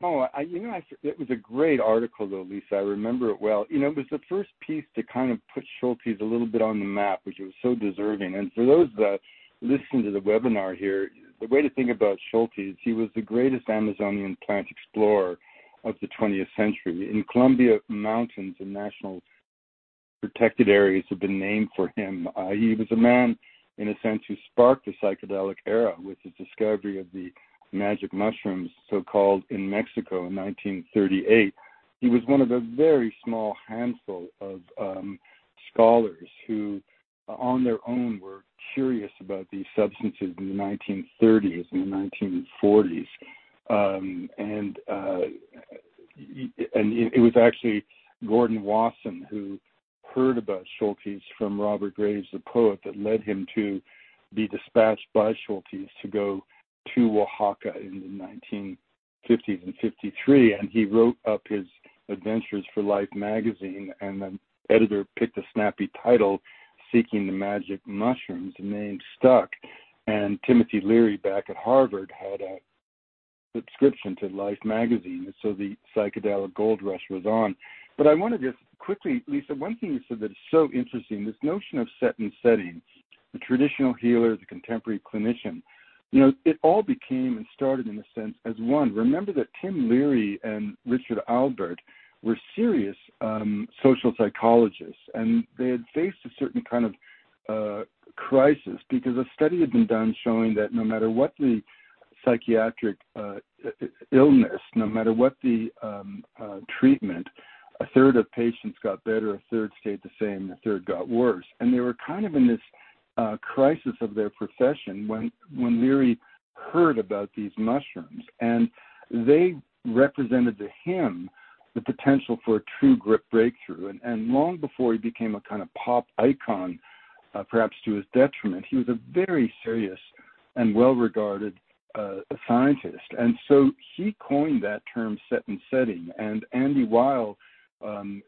No. I, you know, It was a great article though, Lisa. I remember it well. You know, it was the first piece to kind of put Schultes a little bit on the map, which it was so deserving. For those that listen to the webinar here, the way to think about Schultes, he was the greatest Amazonian plant explorer of the twentieth century. In Colombia, mountains and national protected areas have been named for him. He was a man, in a sense, who sparked the psychedelic era with his discovery of the magic mushrooms, so-called, in Mexico in 1938. He was one of a very small handful of scholars who, on their own, were curious about these substances in the 1930s and the 1940s. It was actually Gordon Wasson who heard about Schultes from Robert Graves, the poet, that led him to be dispatched by Schultes to go to Oaxaca in the 1950s, in 53, and he wrote up his adventures for Life magazine, and the editor picked a snappy title, Seeking the Magic Mushrooms. The name stuck. Timothy Leary back at Harvard had a subscription to Life magazine, and so the psychedelic gold rush was on. I wanna just quickly Lisa, one thing you said that is so interesting, this notion of set and setting, the traditional healer, the contemporary clinician. You know, it all became and started in a sense as one. Remember that Tim Leary and Richard Alpert were serious social psychologists, they had faced a certain kind of crisis because a study had been done showing that no matter what the psychiatric illness, no matter what the treatment, a third of patients got better, a third stayed the same, and a third got worse. They were kind of in this crisis of their profession when Leary heard about these mushrooms, and they represented to him the potential for a true breakthrough. Long before he became a kind of pop icon, perhaps to his detriment, he was a very serious and well-regarded scientist. He coined that term set and setting, and Andy Weil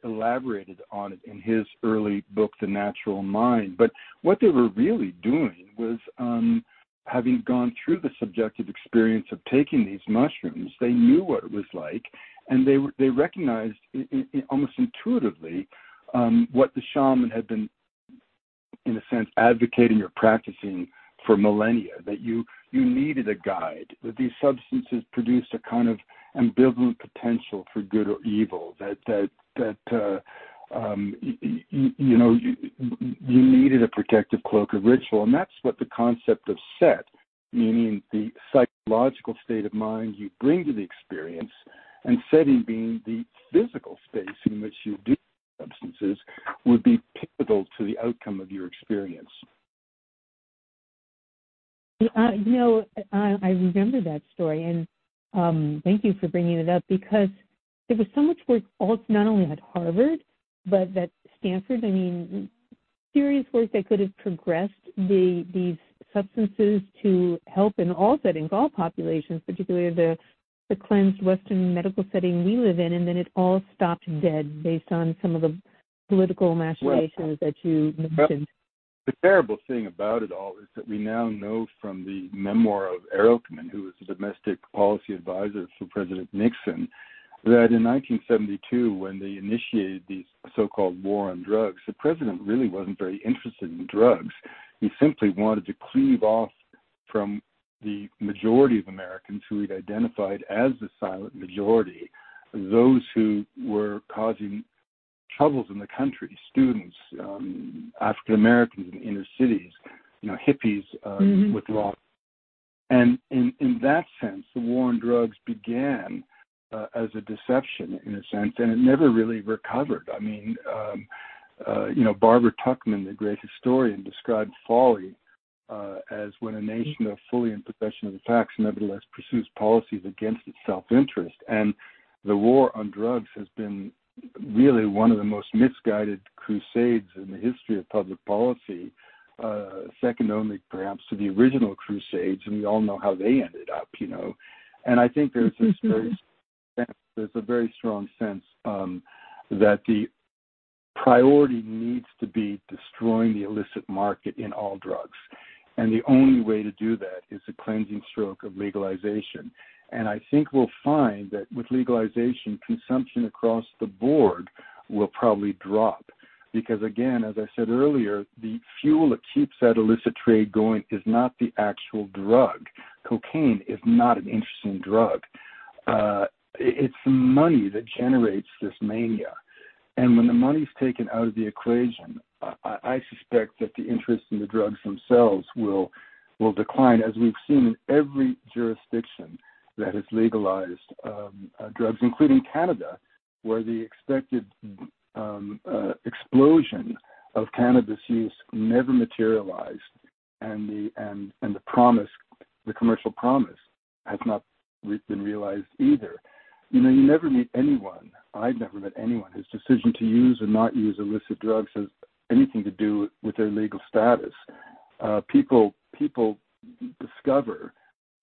elaborated on it in his early book, The Natural Mind. What they were really doing was, having gone through the subjective experience of taking these mushrooms, they knew what it was like, and they recognized almost intuitively, what the shaman had been, in a sense, advocating or practicing for millennia, that you needed a guide, that these substances produced a kind of ambivalent potential for good or evil, that you know, you needed a protective cloak or ritual. That's what the concept of set, meaning the psychological state of mind you bring to the experience, and setting being the physical space in which you do substances, would be pivotal to the outcome of your experience. You know, I remember that story and thank you for bringing it up because there was so much work also not only at Harvard, but at Stanford. I mean, serious work that could have progressed these substances to help in all settings, all populations, particularly the cleansed Western medical setting we live in. Then it all stopped dead based on some of the political machinations that you mentioned. The terrible thing about it all is that we now know from the memoir of Ehrlichman, who was the domestic policy advisor for President Nixon, that in 1972 when they initiated the so-called war on drugs, the president really wasn't very interested in drugs. He simply wanted to cleave off from the majority of Americans who he'd identified as the silent majority, those who were causing troubles in the country, students, African Americans in inner cities, you know, hippies... Mm-hmm. Withdrawn. In that sense, the war on drugs began as a deception in a sense, and it never really recovered. I mean, you know, Barbara Tuchman, the great historian, described folly as when a nation fully in possession of the facts, nevertheless pursues policies against its self-interest. The war on drugs has been really one of the most misguided crusades in the history of public policy, second only perhaps to the original crusades, and we all know how they ended up, you know. I think there's this very strong sense that the priority needs to be destroying the illicit market in all drugs, and the only way to do that is a cleansing stroke of legalization. I think we'll find that with legalization, consumption across the board will probably drop. Again, as I said earlier, the fuel that keeps that illicit trade going is not the actual drug. Cocaine is not an interesting drug. It's the money that generates this mania. When the money's taken out of the equation, I suspect that the interest in the drugs themselves will decline as we've seen in every jurisdiction that has legalized drugs, including Canada, where the expected explosion of cannabis use never materialized, and the promise, the commercial promise has not been realized either. You know, you never meet anyone, I've never met anyone whose decision to use or not use illicit drugs has anything to do with their legal status. People discover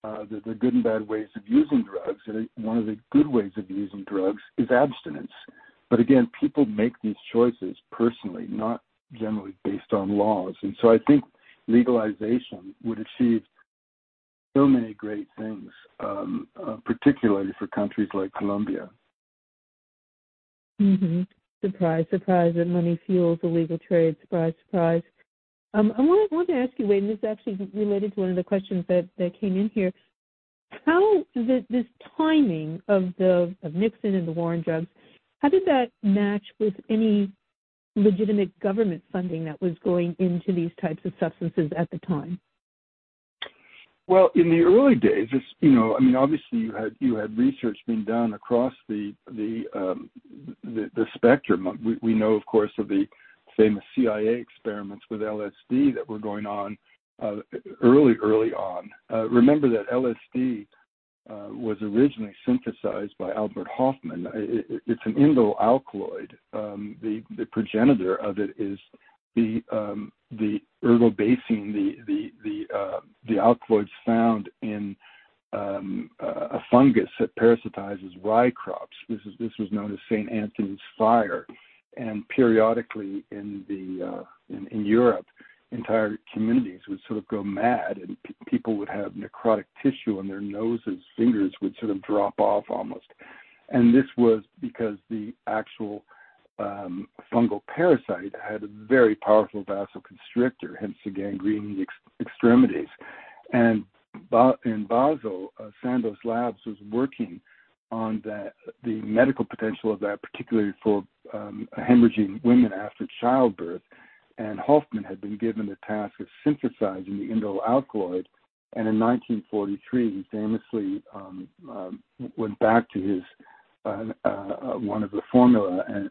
the good and bad ways of using drugs, and one of the good ways of using drugs is abstinence. Again, people make these choices personally, not generally based on laws. I think legalization would achieve so many great things, particularly for countries like Colombia. Surprise, surprise, that money fuels illegal trade. Surprise, surprise. I wanted to ask you, Wade, this is actually related to one of the questions that came in here. How did this timing of Nixon and the war on drugs, how did that match with any legitimate government funding that was going into these types of substances at the time? Well, in the early days, it's, you know. I mean, obviously, you had research being done across the spectrum. We know, of course, of the famous CIA experiments with LSD that were going on early on. Remember that LSD was originally synthesized by Albert Hofmann. It's an indole alkaloid. The progenitor of it is the ergobasine, the alkaloids found in a fungus that parasitizes rye crops. This was known as St. Anthony's Fire. Periodically in Europe, entire communities would sort of go mad and people would have necrotic tissue on their noses, fingers would sort of drop off almost. This was because the actual fungal parasite had a very powerful vasoconstrictor, hence the gangrene extremities. In Basel, Sandoz Labs was working on that, the medical potential of that, particularly for hemorrhaging women after childbirth. Hofmann had been given the task of synthesizing the indole alkaloid, and in 1943, he famously went back to his one of the formula and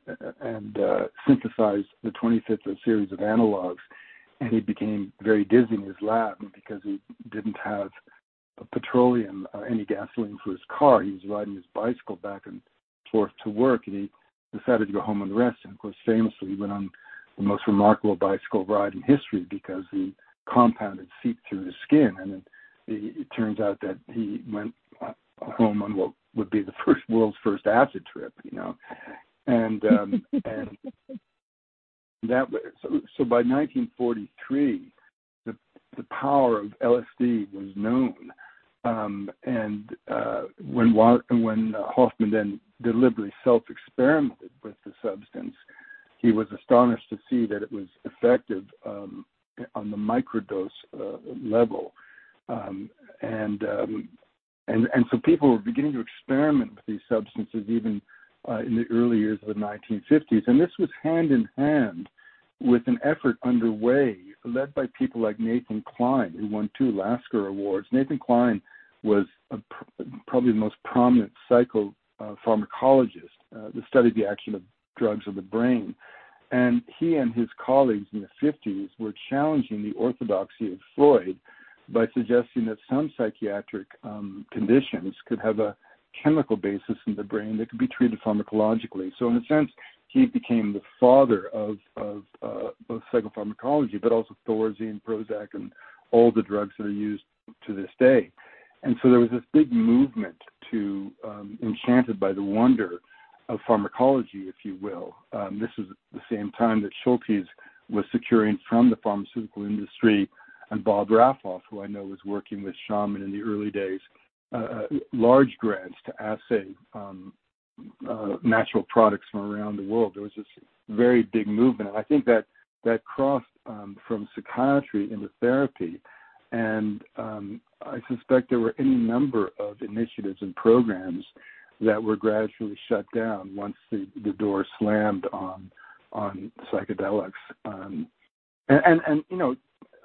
synthesized the 25th of series of analogs, and he became very dizzy in his lab because he didn't have petroleum or any gasoline for his car. He was riding his bicycle back and forth to work, and he decided to go home and rest. Of course, famously, he went on the most remarkable bicycle ride in history because the compound had seeped through his skin. Then it turns out that he went home on what would be the first world's first acid trip, you know. By 1943, the power of LSD was known. When Hofmann then deliberately self-experimented with the substance, he was astonished to see that it was effective on the microdose level. People were beginning to experiment with these substances even in the early years of the 1950s. This was hand in hand with an effort underway led by people like Nathan Kline, who won two Lasker Awards. Nathan Kline was probably the most prominent psychopharmacologist that studied the action of drugs on the brain. He and his colleagues in the 1950s were challenging the orthodoxy of Freud by suggesting that some psychiatric conditions could have a chemical basis in the brain that could be treated pharmacologically. In a sense, he became the father of both psychopharmacology, but also Thorazine, Prozac, and all the drugs that are used to this day. There was this big movement to, enchanted by the wonder of pharmacology, if you will. This is the same time that Schultes was securing from the pharmaceutical industry, and Bob Rafals, who I know was working with shaman in the early days, large grants to assay natural products from around the world. There was this very big movement. I think that that crossed from psychiatry into therapy. I suspect there were any number of initiatives and programs that were gradually shut down once the door slammed on psychedelics. You know,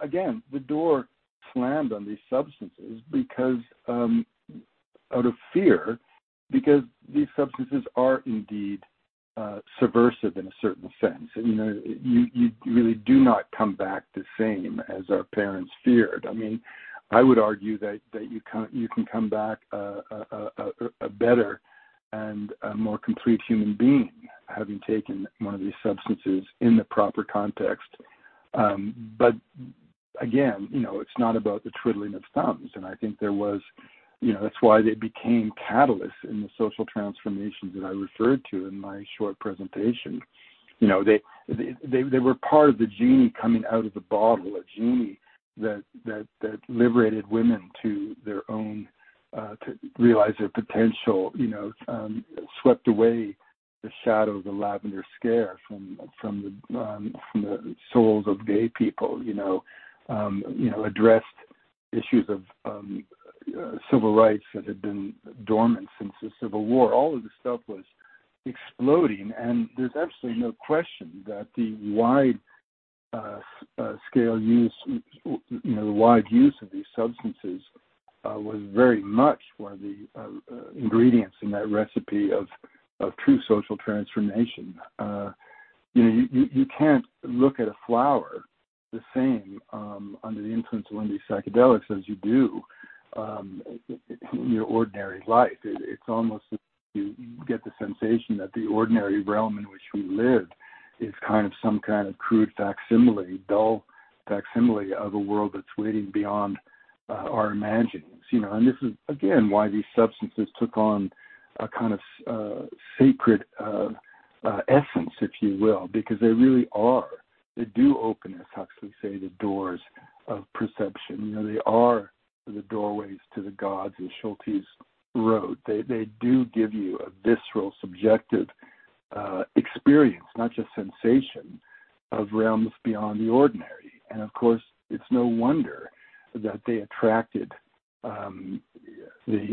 again, the door slammed on these substances because, out of fear, because these substances are indeed, subversive in a certain sense. You know, you really do not come back the same as our parents feared. I mean, I would argue that you come, you can come back a better and a more complete human being having taken one of these substances in the proper context. Again, you know, it's not about the twiddling of thumbs, and I think there was, you know. That's why they became catalysts in the social transformations that I referred to in my short presentation. You know, they were part of the genie coming out of the bottle. A genie that liberated women to their own, to realize their potential. You know, swept away the shadow of the Lavender Scare from the souls of gay people, you know. You know, addressed issues of civil rights that had been dormant since the Civil War. All of this stuff was exploding, and there's absolutely no question that the wide scale use, you know, the wide use of these substances, was very much one of the ingredients in that recipe of true social transformation. You can't look at a flower the same under the influence of one of these psychedelics as you do in your ordinary life. It's almost as if you get the sensation that the ordinary realm in which we live is kind of some kind of crude facsimile, dull facsimile of a world that's waiting beyond our imaginings. You know, this is again why these substances took on a kind of sacred essence, if you will, because they really are. They do open, as Huxley says, the doors of perception. You know, they are the doorways to the gods as Schultes wrote. They do give you a visceral, subjective experience, not just sensation, of realms beyond the ordinary. Of course, it's no wonder that they attracted the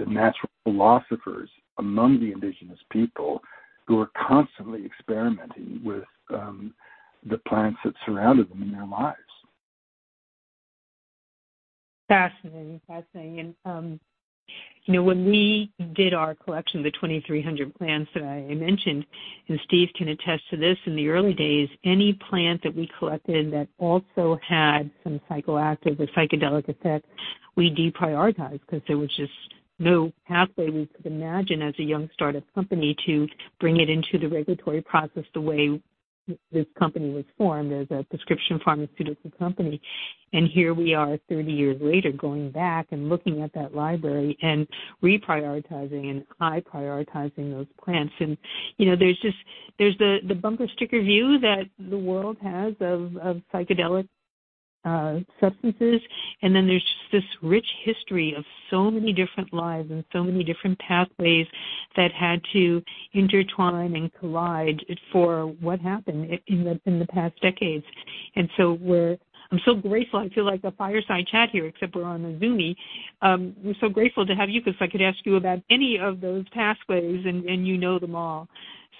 natural philosophers among the indigenous people who are constantly experimenting with the plants that surrounded them in their lives. Fascinating. Fascinating. You know, when we did our collection, the 2,300 plants that I mentioned, and Steven King can attest to this, in the early days, any plant that we collected that also had some psychoactive or psychedelic effect, we deprioritized because there was just no pathway we could imagine as a young startup company to bring it into the regulatory process the way this company was formed as a prescription pharmaceutical company. Here we are 30 years later, going back and looking at that library and reprioritizing and high prioritizing those plants. You know, there's just, there's the bumper sticker view that the world has of psychedelic substances, and then there's just this rich history of so many different lives and so many different pathways that had to intertwine and collide for what happened in the past decades. I'm so grateful. I feel like a fireside chat here, except we're on a Zoomie. We're so grateful to have you because I could ask you about any of those pathways, and you know them all.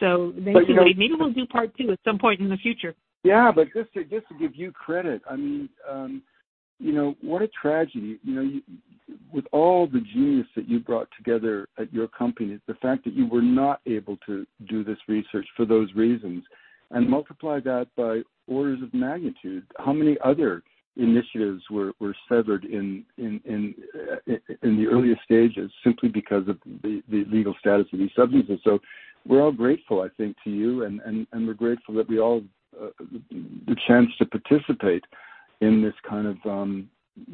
Thankfully. You know. Maybe we'll do part two at some point in the future. Yeah. Just to give you credit, I mean, you know, what a tragedy, you know, with all the genius that you brought together at your company, the fact that you were not able to do this research for those reasons, and multiply that by orders of magnitude. How many other initiatives were severed in the earliest stages simply because of the legal status of these substances? We're all grateful, I think, to you, and we're grateful that we all the chance to participate in this kind of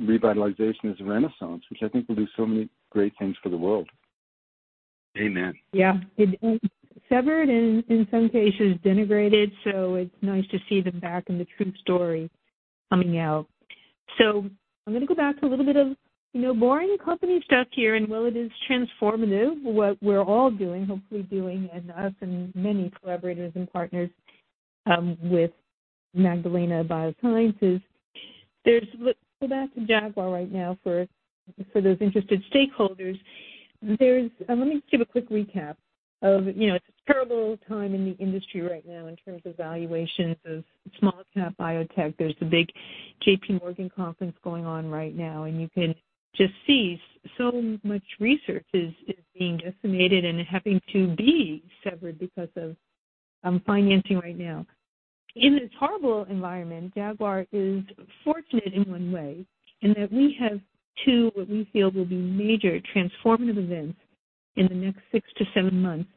revitalization as a renaissance, which I think will do so many great things for the world. Amen. Yeah. Severed and in some cases denigrated, it's nice to see them back in the true story coming out. I'm going to go back to a little bit of, you know, boring company stuff here. While it is transformative, what we're all doing, hopefully doing, and us and many collaborators and partners with Magdalena Biosciences. Let's go back to Jaguar right now for those interested stakeholders. Let me give a quick recap of, you know, it's a terrible time in the industry right now in terms of valuations of small cap biotech. There's a big JPMorgan conference going on right now, and you can just see so much research is being decimated and having to be severed because of financing right now. In this horrible environment, Jaguar is fortunate in one way in that we have two, what we feel will be major transformative events in the next six to seven months.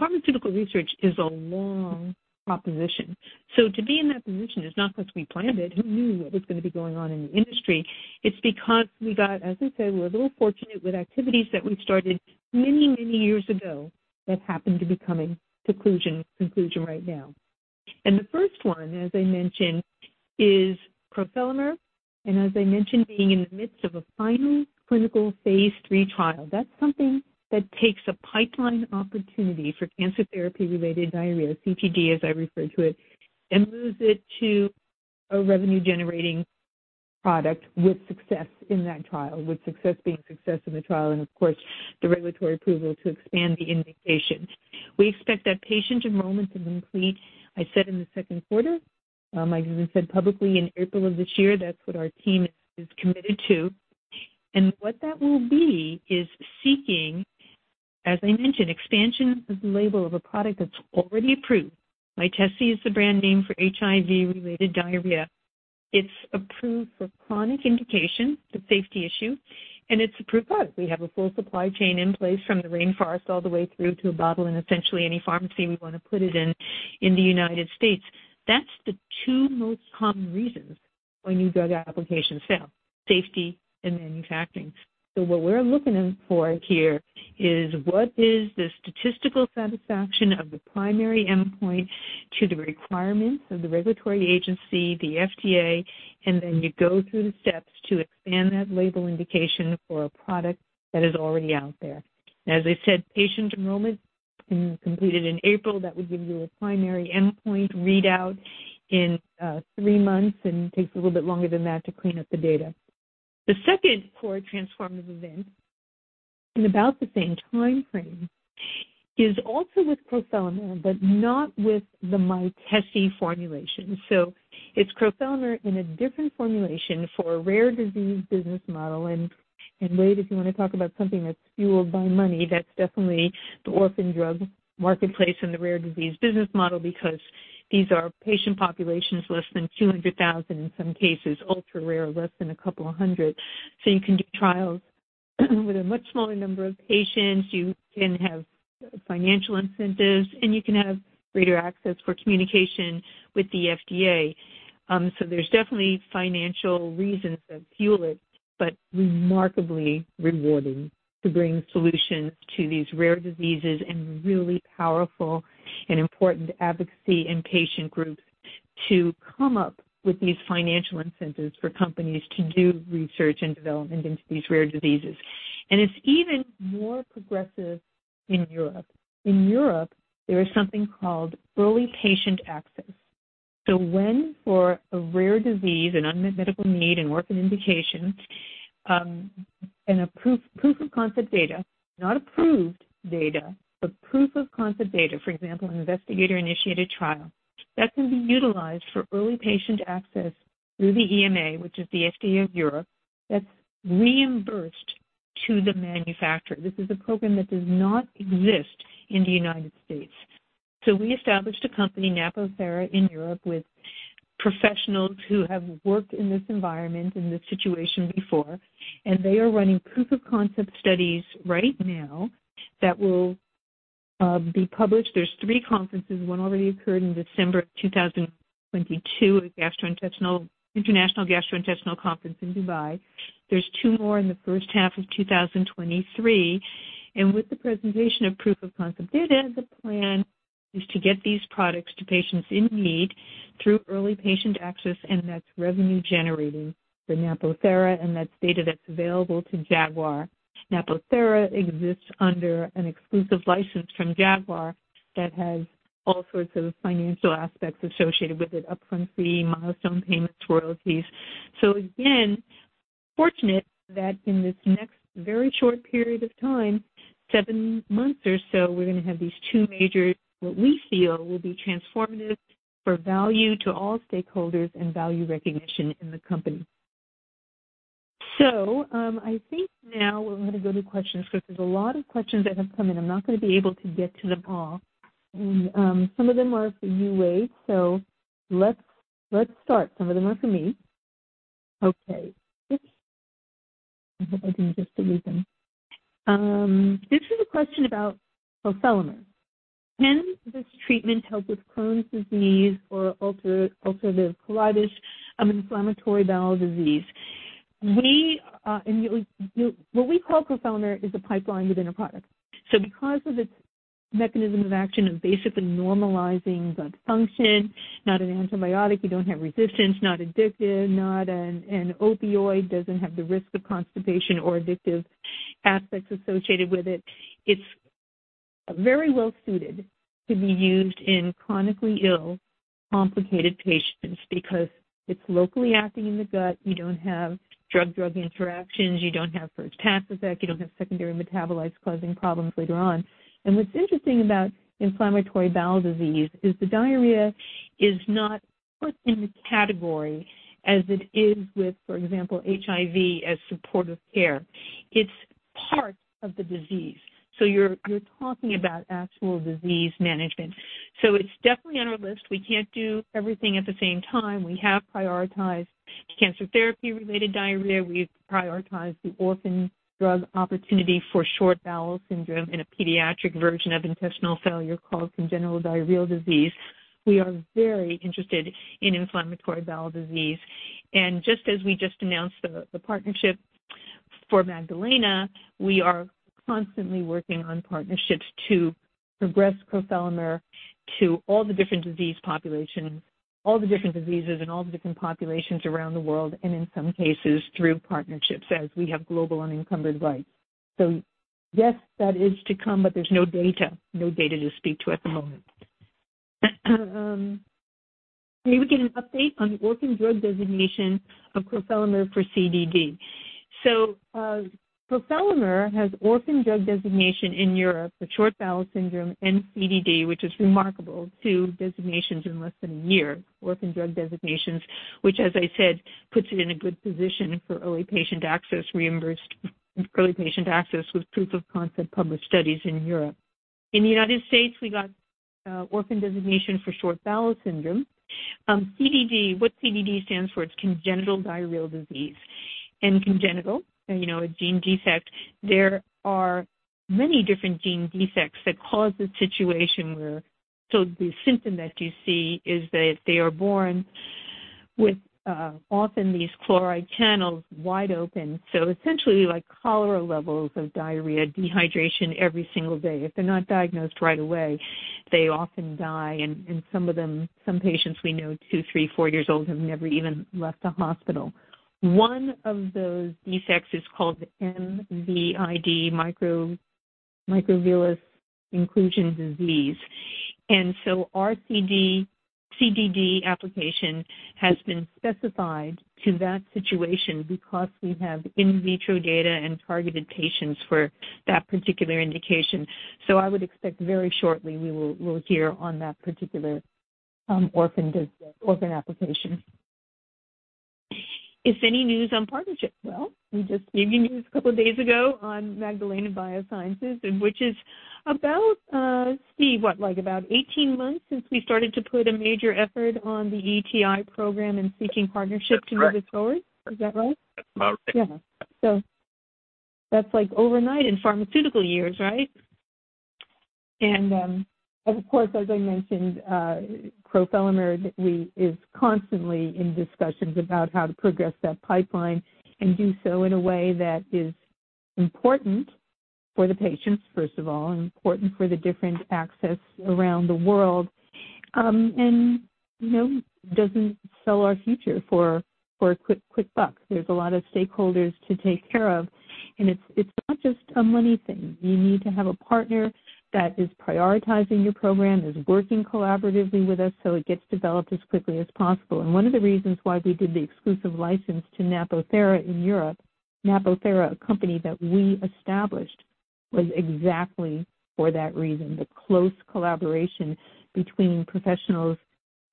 Pharmaceutical research is a long proposition. To be in that position is not because we planned it. Who knew what was going to be going on in the industry? It's because we got, as I said, we're a little fortunate with activities that we started many, many years ago that happened to be coming to conclusion right now. The first one, as I mentioned, is crofelemer. As I mentioned, being in the midst of a final clinical phase III trial. That's something that takes a pipeline opportunity for cancer therapy-related diarrhea, CTD, as I refer to it, and moves it to a revenue-generating product with success in that trial, with success being success in the trial and of course the regulatory approval to expand the indication. We expect that patient enrollment to complete, I said in the second quarter, like we said publicly in April of this year. That's what our team is committed to. What that will be is seeking, as I mentioned, expansion of the label of a product that's already approved. Mytesi is the brand name for HIV-related diarrhea. It's approved for chronic indication, the safety issue, and it's approved product. We have a full supply chain in place from the rainforest all the way through to a bottle in essentially any pharmacy we want to put it in in the United States. That's the two most common reasons why new drug applications fail, safety and manufacturing. What we're looking for here is what is the statistical satisfaction of the primary endpoint to the requirements of the regulatory agency, the FDA, and then you go through the steps to expand that label indication for a product that is already out there. As I said, patient enrollment can be completed in April. That would give you a primary endpoint readout in three months, and it takes a little bit longer than that to clean up the data. The second core transformative event in about the same timeframe is also with crofelemer, but not with the Mytesi formulation. It's Crofelemer in a different formulation for a rare disease business model. Wade, if you want to talk about something that's fueled by money, that's definitely the orphan drug marketplace and the rare disease business model, because these are patient populations less than 200,000, in some cases ultra rare, less than a couple of hundred. You can do trials with a much smaller number of patients, you can have financial incentives, and you can have greater access for communication with the FDA. There's definitely financial reasons that fuel it, but remarkably rewarding to bring solutions to these rare diseases and really powerful and important advocacy and patient groups to come up with these financial incentives for companies to do research and development into these rare diseases. It's even more progressive in Europe. In Europe, there is something called early patient access. When for a rare disease, an unmet medical need, an orphan indication, and a proof of concept data, not approved data, but proof of concept data, for example, an investigator-initiated trial, that can be utilized for early patient access through the EMA, which is the FDA of Europe, that's reimbursed to the manufacturer. This is a program that does not exist in the United States. We established a company, Napo Therapeutics, in Europe with professionals who have worked in this environment, in this situation before, and they are running proof of concept studies right now that will be published. There's three conferences. One already occurred in December of 2022, an international gastrointestinal conference in Dubai. There's two more in the first half of 2023. With the presentation of proof of concept data, the plan is to get these products to patients in need through early patient access, and that's revenue generating for Napo Therapeutics, and that's data that's available to Jaguar. Napo Therapeutics exists under an exclusive license from Jaguar that has all sorts of financial aspects associated with it, up-front fee, milestone payments, royalties. Again-Fortunate that in this next very short period of time, seven months or so, we're gonna have these two major, what we feel will be transformative for value to all stakeholders and value recognition in the company. I think now we're gonna go to questions 'cause there's a lot of questions that have come in. I'm not gonna be able to get to them all. Some of them are for you, Wade. Let's start. Some of them are for me. Okay. Oops. I hope I didn't just delete them. This is a question about crofelemer. Can this treatment help with Crohn's disease or ulcerative colitis, inflammatory bowel disease? What we call crofelemer is a pipeline within a product. Because of its mechanism of action of basically normalizing gut function, not an antibiotic, you don't have resistance, not addictive, not an opioid, doesn't have the risk of constipation or addictive aspects associated with it. It's very well suited to be used in chronically ill, complicated patients because it's locally acting in the gut. You don't have drug-drug interactions. You don't have first-pass effect. You don't have secondary metabolites causing problems later on. What's interesting about inflammatory bowel disease is the diarrhea is not put in the category as it is with, for example, HIV as supportive care. It's part of the disease. You're talking about actual disease management. It's definitely on our list. We can't do everything at the same time. We have prioritized cancer therapy-related diarrhea. We've prioritized the orphan drug opportunity for short bowel syndrome in a pediatric version of intestinal failure called congenital diarrheal disease. We are very interested in inflammatory bowel disease. Just as we just announced the partnership for Magdalena, we are constantly working on partnerships to progress crofelemer to all the different disease populations, all the different diseases and all the different populations around the world, and in some cases, through partnerships, as we have global unencumbered rights. Yes, that is to come, but there's no data to speak to at the moment. May we get an update on the orphan drug designation of crofelemer for CDD? Crofelemer has orphan drug designation in Europe for short bowel syndrome and CDD, which is remarkable, two designations in less than one year, orphan drug designations, which, as I said, puts it in a good position for early patient access, reimbursed early patient access with proof of concept published studies in Europe. In the United States, we got orphan designation for short bowel syndrome. CDD, what CDD stands for is congenital diarrheal disorders. Congenital, you know, a gene defect, there are many different gene defects that cause the situation where the symptom that you see is that they are born with often these chloride channels wide open, so essentially like cholera levels of diarrhea, dehydration every single day. If they're not diagnosed right away, they often die. Some patients we know, two, three, four years old, have never even left the hospital. One of those defects is called MVID, microvillus inclusion disease. Our CDD application has been specified to that situation because we have in vitro data and targeted patients for that particular indication. I would expect very shortly we'll hear on that particular orphan application. Is there any news on partnership? Well, we just gave you news a couple of days ago on Magdalena Biosciences, and which is about, Steve, what, like about 18 months since we started to put a major effort on the ETI program and seeking partnerships- That's correct. -to move it forward. Is that right? That's about right. Yeah. That's like overnight in pharmaceutical years, right? Of course, as I mentioned, crofelemer is constantly in discussions about how to progress that pipeline and do so in a way that is important for the patients, first of all, and important for the different access around the world. You know, doesn't sell our future for a quick buck. There's a lot of stakeholders to take care of, and it's not just a money thing. You need to have a partner that is prioritizing your program, is working collaboratively with us, so it gets developed as quickly as possible. One of the reasons why we did the exclusive license to Napo Therapeutics in Europe, Napo Therapeutics, a company that we established, was exactly for that reason. The close collaboration between professionals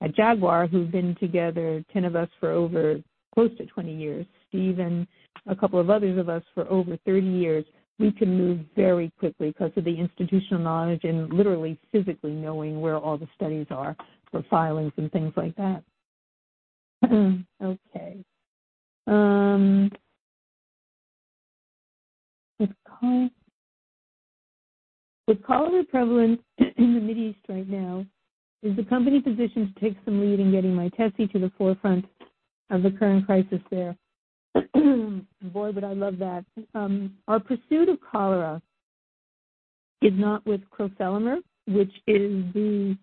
at Jaguar Health who've been together, 10 of us for over close to 20 years. Steve and a couple of others of us for over 30 years. We can move very quickly because of the institutional knowledge and literally physically knowing where all the studies are for filings and things like that. Okay. With cholera prevalent in the Mideast right now, is the company positioned to take some lead in getting Mytesi to the forefront of the current crisis there? Boy, I love that. Our pursuit of cholera is not with crofelemer, which is the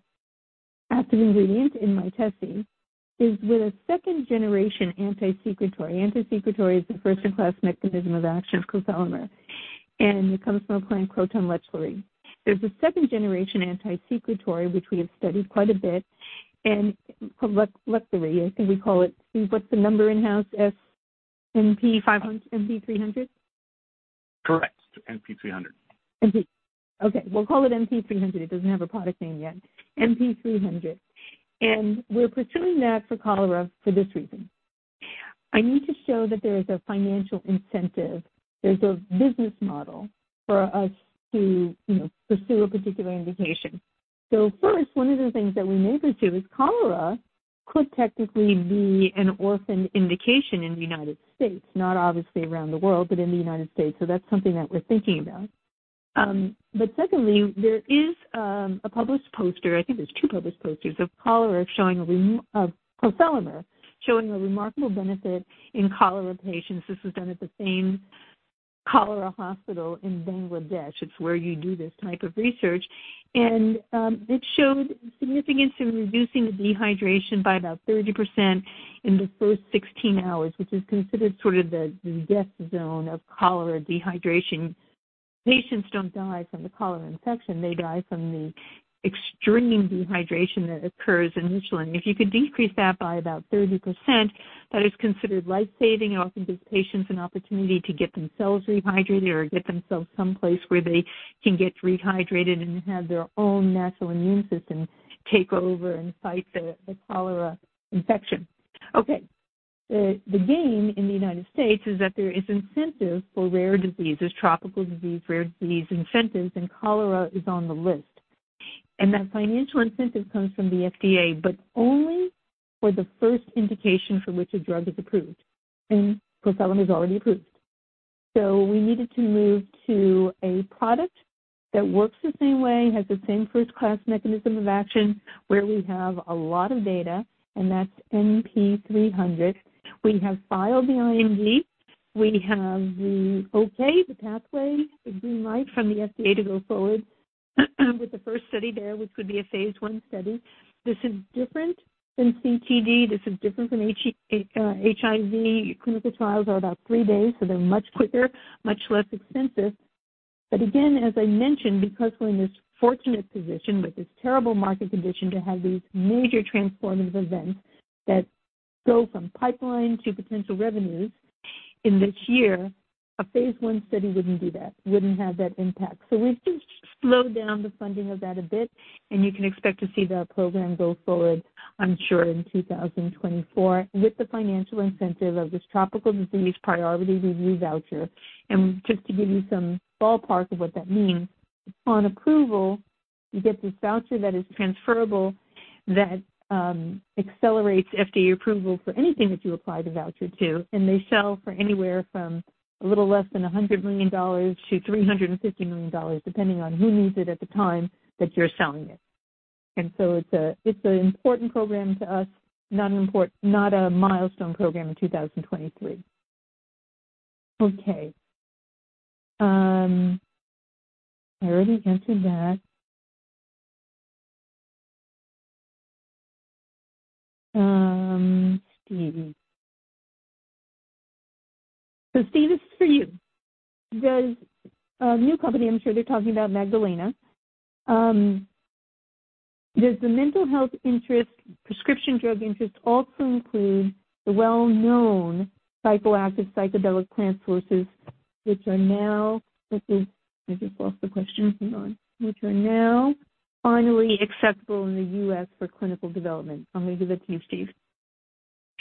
active ingredient in Mytesi. It's with a second-generation antisecretory. Antisecretory is the first-in-class mechanism of action of crofelemer. And it comes from a plant, Croton lechleri. There's a second-generation antisecretory which we have studied quite a bit, and lechlemer, I think we call it. What's the number in-house, NP-300? Correct. NP-300. Okay, we'll call it NP-300. It doesn't have a product name yet. NP-300. We're pursuing that for cholera for this reason. I need to show that there is a financial incentive, there's a business model for us to, you know, pursue a particular indication. First, one of the things that we may pursue is cholera could technically be an orphan indication in the United States. Not obviously around the world, but in the United States. Secondly, there is a published poster, I think there's two published posters, of cholera showing a remarkable benefit in cholera patients. This was done at the same cholera hospital in Bangladesh. It's where you do this type of research. It showed significance in reducing the dehydration by about 30% in the first 16 hours, which is considered sort of the death zone of cholera dehydration. Patients don't die from the cholera infection, they die from the extreme dehydration that occurs initially. If you could decrease that by about 30%, that is considered life-saving. It offers these patients an opportunity to get themselves rehydrated or get themselves someplace where they can get rehydrated and have their own natural immune system take over and fight the cholera infection. The gain in the United States is that there is incentive for rare diseases, tropical disease, rare disease incentives, and cholera is on the list. That financial incentive comes from the FDA, but only for the first indication for which a drug is approved, and crofelemer is already approved. We needed to move to a product that works the same way, has the same first-class mechanism of action, where we have a lot of data, and that's NP-300. We have filed the IND. We have the okay, the pathway, the green light from the FDA to go forward with the first study there, which would be a phase I study. This is different than CTD, this is different than HIV. Clinical trials are about three days, so they're much quicker, much less expensive. Again, as I mentioned, because we're in this fortunate position with this terrible market condition to have these major transformative events that go from pipeline to potential revenues in this year, a phase I study wouldn't do that, wouldn't have that impact. We've just slowed down the funding of that a bit, and you can expect to see that program go forward, I'm sure, in 2024 with the financial incentive of this tropical disease priority review voucher. Just to give you some ballpark of what that means, on approval, you get this voucher that is transferable that accelerates FDA approval for anything that you apply the voucher to, and they sell for anywhere from a little less than $100 million to $350 million, depending on who needs it at the time that you're selling it. It's an important program to us, not a milestone program in 2023. Okay. I already answered that. Steve. So Steve, this is for you. Does a new company, I'm sure they're talking about Magdalena, does the mental health interest, prescription drug interest also include the well-known psychoactive psychedelic plant sources, Which are now finally acceptable in the U.S. for clinical development? I'm gonna give it to you, Steve.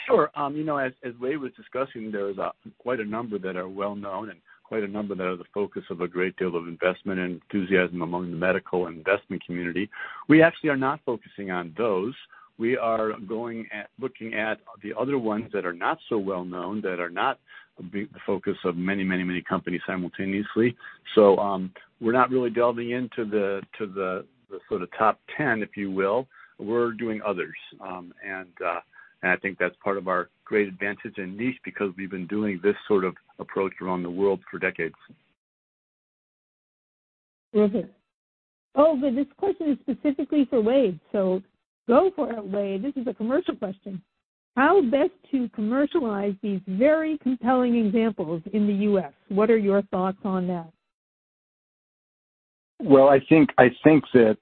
Sure. you know, as Wade was discussing, there's quite a number that are well-known and quite a number that are the focus of a great deal of investment and enthusiasm among the medical and investment community. We actually are not focusing on those. We are looking at the other ones that are not so well-known, that are not the focus of many companies simultaneously. we're not really delving into the sort of top 10, if you will. We're doing others. I think that's part of our great advantage and niche because we've been doing this sort of approach around the world for decades. Okay. Oh, this question is specifically for Wade. Go for it, Wade. This is a commercial question. How best to commercialize these very compelling examples in the U.S.? What are your thoughts on that? Well, I think that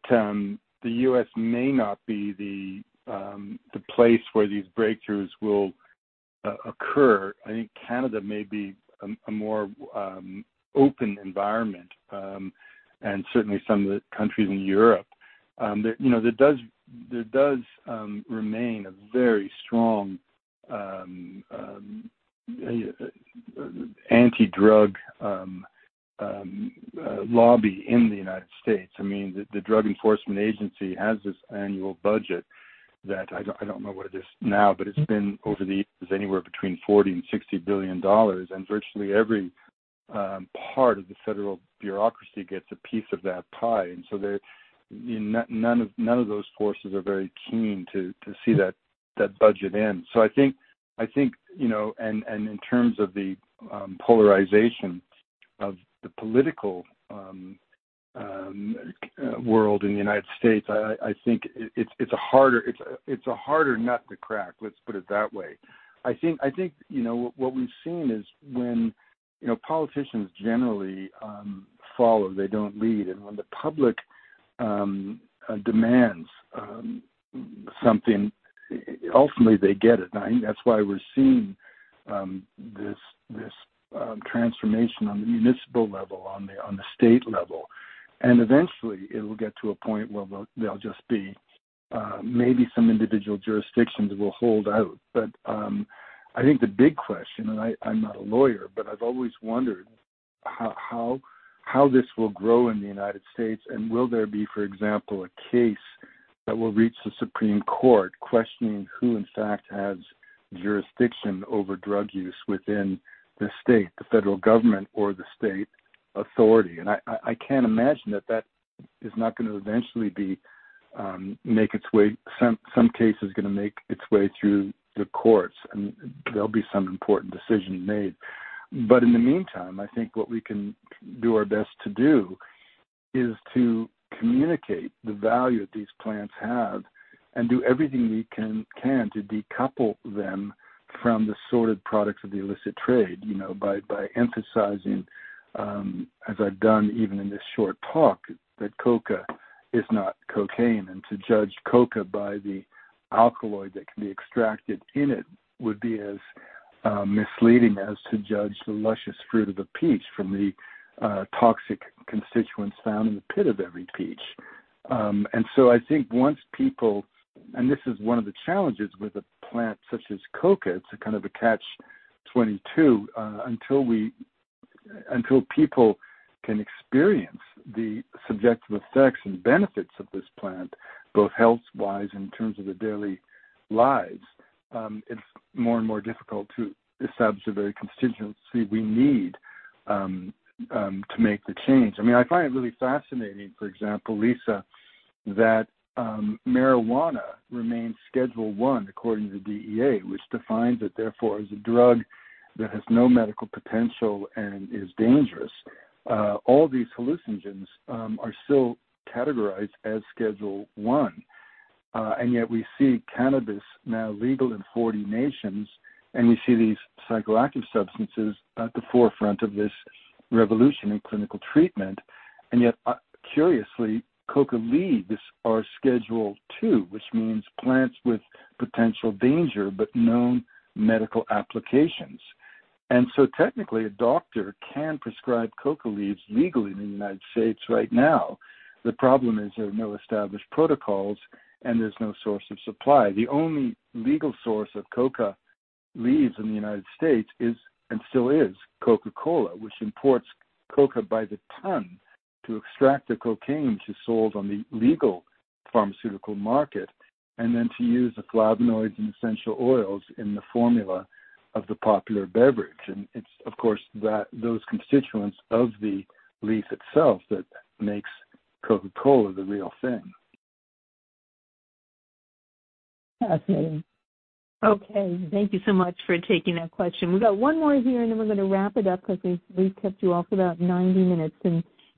the U.S. may not be the place where these breakthroughs will occur. I think Canada may be a more open environment, and certainly some of the countries in Europe. There, you know, there does remain a very strong anti-drug lobby in the United States. I mean, the Drug Enforcement Administration has this annual budget that I don't know what it is now, but it's been over the years anywhere between $40 billion and $60 billion. Virtually every part of the federal bureaucracy gets a piece of that pie. So they're... none of those forces are very keen to see that budget end. I think, you know, and in terms of the polarization of the political world in the United States, I think it's a harder nut to crack. Let's put it that way. I think, you know, what we've seen is when, you know, politicians generally follow, they don't lead. When the public demands something, ultimately they get it. I think that's why we're seeing this transformation on the municipal level, on the state level. Eventually, it will get to a point where they'll just be, maybe some individual jurisdictions will hold out. I think the big question, I'm not a lawyer, but I've always wondered how this will grow in the United States. Will there be, for example, a case that will reach the Supreme Court questioning who in fact has jurisdiction over drug use within the state, the federal government or the state authority? I can't imagine that that is not gonna eventually make its way, some case is gonna make its way through the courts, and there'll be some important decision made. In the meantime, I think what we can do our best to do is to communicate the value that these plants have and do everything we can to decouple them from the sordid products of the illicit trade, you know, by emphasizing, as I've done even in this short talk, that coca is not cocaine. To judge coca by the alkaloid that can be extracted in it would be as misleading as to judge the luscious fruit of the peach from the toxic constituents found in the pit of every peach. This is one of the challenges with a plant such as coca. It's a kind of a catch-22. Until people can experience the subjective effects and benefits of this plant, both health-wise in terms of their daily lives, it's more and more difficult to establish the very constituency we need to make the change. I mean, I find it really fascinating, for example, Lisa, that marijuana remains Schedule I according to DEA, which defines it, therefore, as a drug that has no medical potential and is dangerous. All these hallucinogens are still categorized as Schedule I. Yet we see cannabis now legal in 40 nations, and we see these psychoactive substances at the forefront of this revolution in clinical treatment. Curiously, coca leaves are Schedule II, which means plants with potential danger but known medical applications. Technically, a doctor can prescribe coca leaves legally in the United States right now. The problem is there are no established protocols, and there's no source of supply. The only legal source of coca leaves in the United States is and still is Coca-Cola, which imports coca by the ton to extract the cocaine to sold on the legal pharmaceutical market and then to use the flavonoids and essential oils in the formula of the popular beverage. It's, of course, those constituents of the leaf itself that makes Coca-Cola the real thing. Fascinating. Thank you so much for taking that question. We've got one more here, we're gonna wrap it up because we've kept you all for about 90 minutes.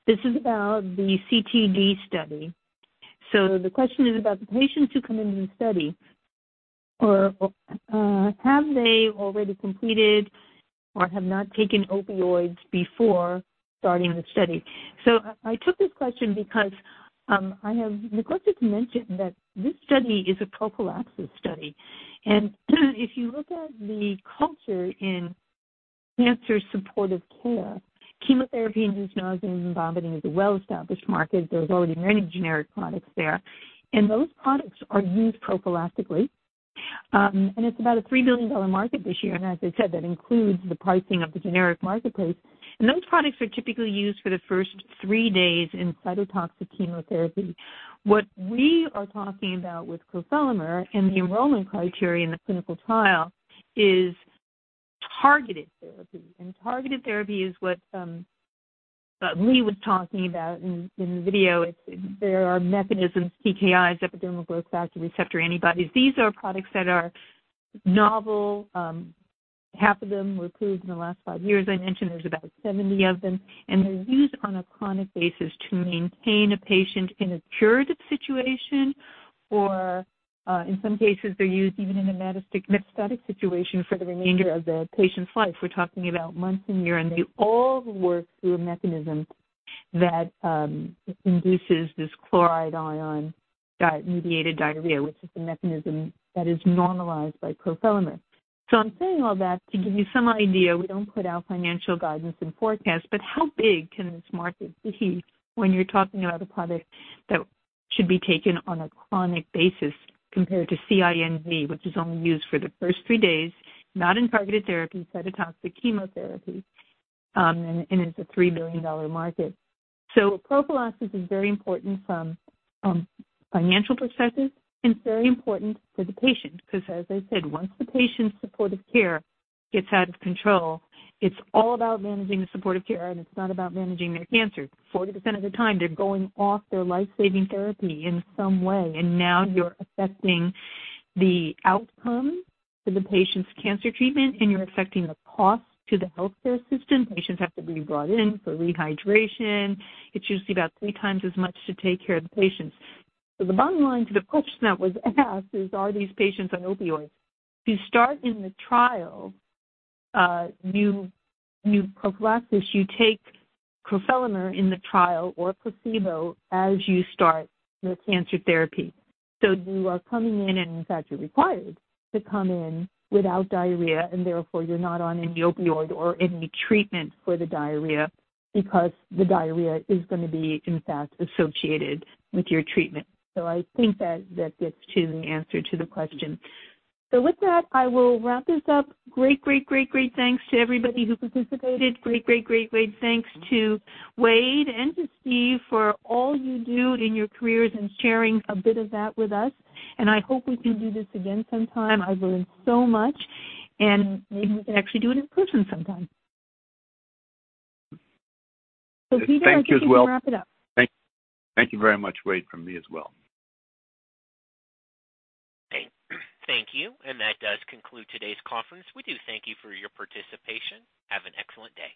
This is about the CTD study. The question is about the patients who come into the study. Have they already completed or have not taken opioids before starting the study? I took this question because I have neglected to mention that this study is a prophylaxis study. If you look at the culture in cancer supportive care, chemotherapy-induced nausea and vomiting is a well-established market. There's already many generic products there, and those products are used prophylactically. It's about a $3 billion market this year. As I said, that includes the pricing of the generic marketplace. Those products are typically used for the first three days in cytotoxic chemotherapy. What we are talking about with crofelemer and the enrollment criteria in the clinical trial is targeted therapy. Targeted therapy is what Lee was talking about in the video. There are mechanisms, TKIs, epidermal growth factor, receptor antibodies. These are products that are novel. Half of them were approved in the last five years. I mentioned there's about 70 of them. They're used on a chronic basis to maintain a patient in a curative situation. Or, in some cases, they're used even in a metastatic situation for the remainder of the patient's life. We're talking about months and year. They all work through a mechanism that induces this chloride ion-mediated diarrhea, which is the mechanism that is normalized by crofelemer. I'm saying all that to give you some idea. We don't put out financial guidance and forecasts. How big can this market be when you're talking about a product that should be taken on a chronic basis compared to CINV, which is only used for the first three days, not in targeted therapy, cytotoxic chemotherapy, and it's a $3 billion market. Prophylaxis is very important from a financial perspective, and it's very important for the patient, 'cause as I said, once the patient's supportive care gets out of control, it's all about managing the supportive care, and it's not about managing their cancer. 40% of the time, they're going off their life-saving therapy in some way, and now you're affecting the outcome to the patient's cancer treatment, and you're affecting the cost to the healthcare system. Patients have to be brought in for rehydration. It's usually about three times as much to take care of the patients. The bottom line to the question that was asked is, are these patients on opioids? To start in the trial, you prophylaxis, you take crofelemer in the trial or a placebo as you start your cancer therapy. You are coming in, and in fact, you're required to come in without diarrhea and therefore you're not on any opioid or any treatment for the diarrhea because the diarrhea is gonna be in fact associated with your treatment. I think that that gets to the answer to the question. With that, I will wrap this up. Great thanks to everybody who participated. Great thanks to Wade and to Steve for all you do in your careers and sharing a bit of that with us. I hope we can do this again sometime. I've learned so much, and maybe we can actually do it in person sometime. Peter, I think we can wrap it up. Thank you as well. Thank you very much, Wade, from me as well. Okay. Thank you. That does conclude today's conference. We do thank you for your participation. Have an excellent day.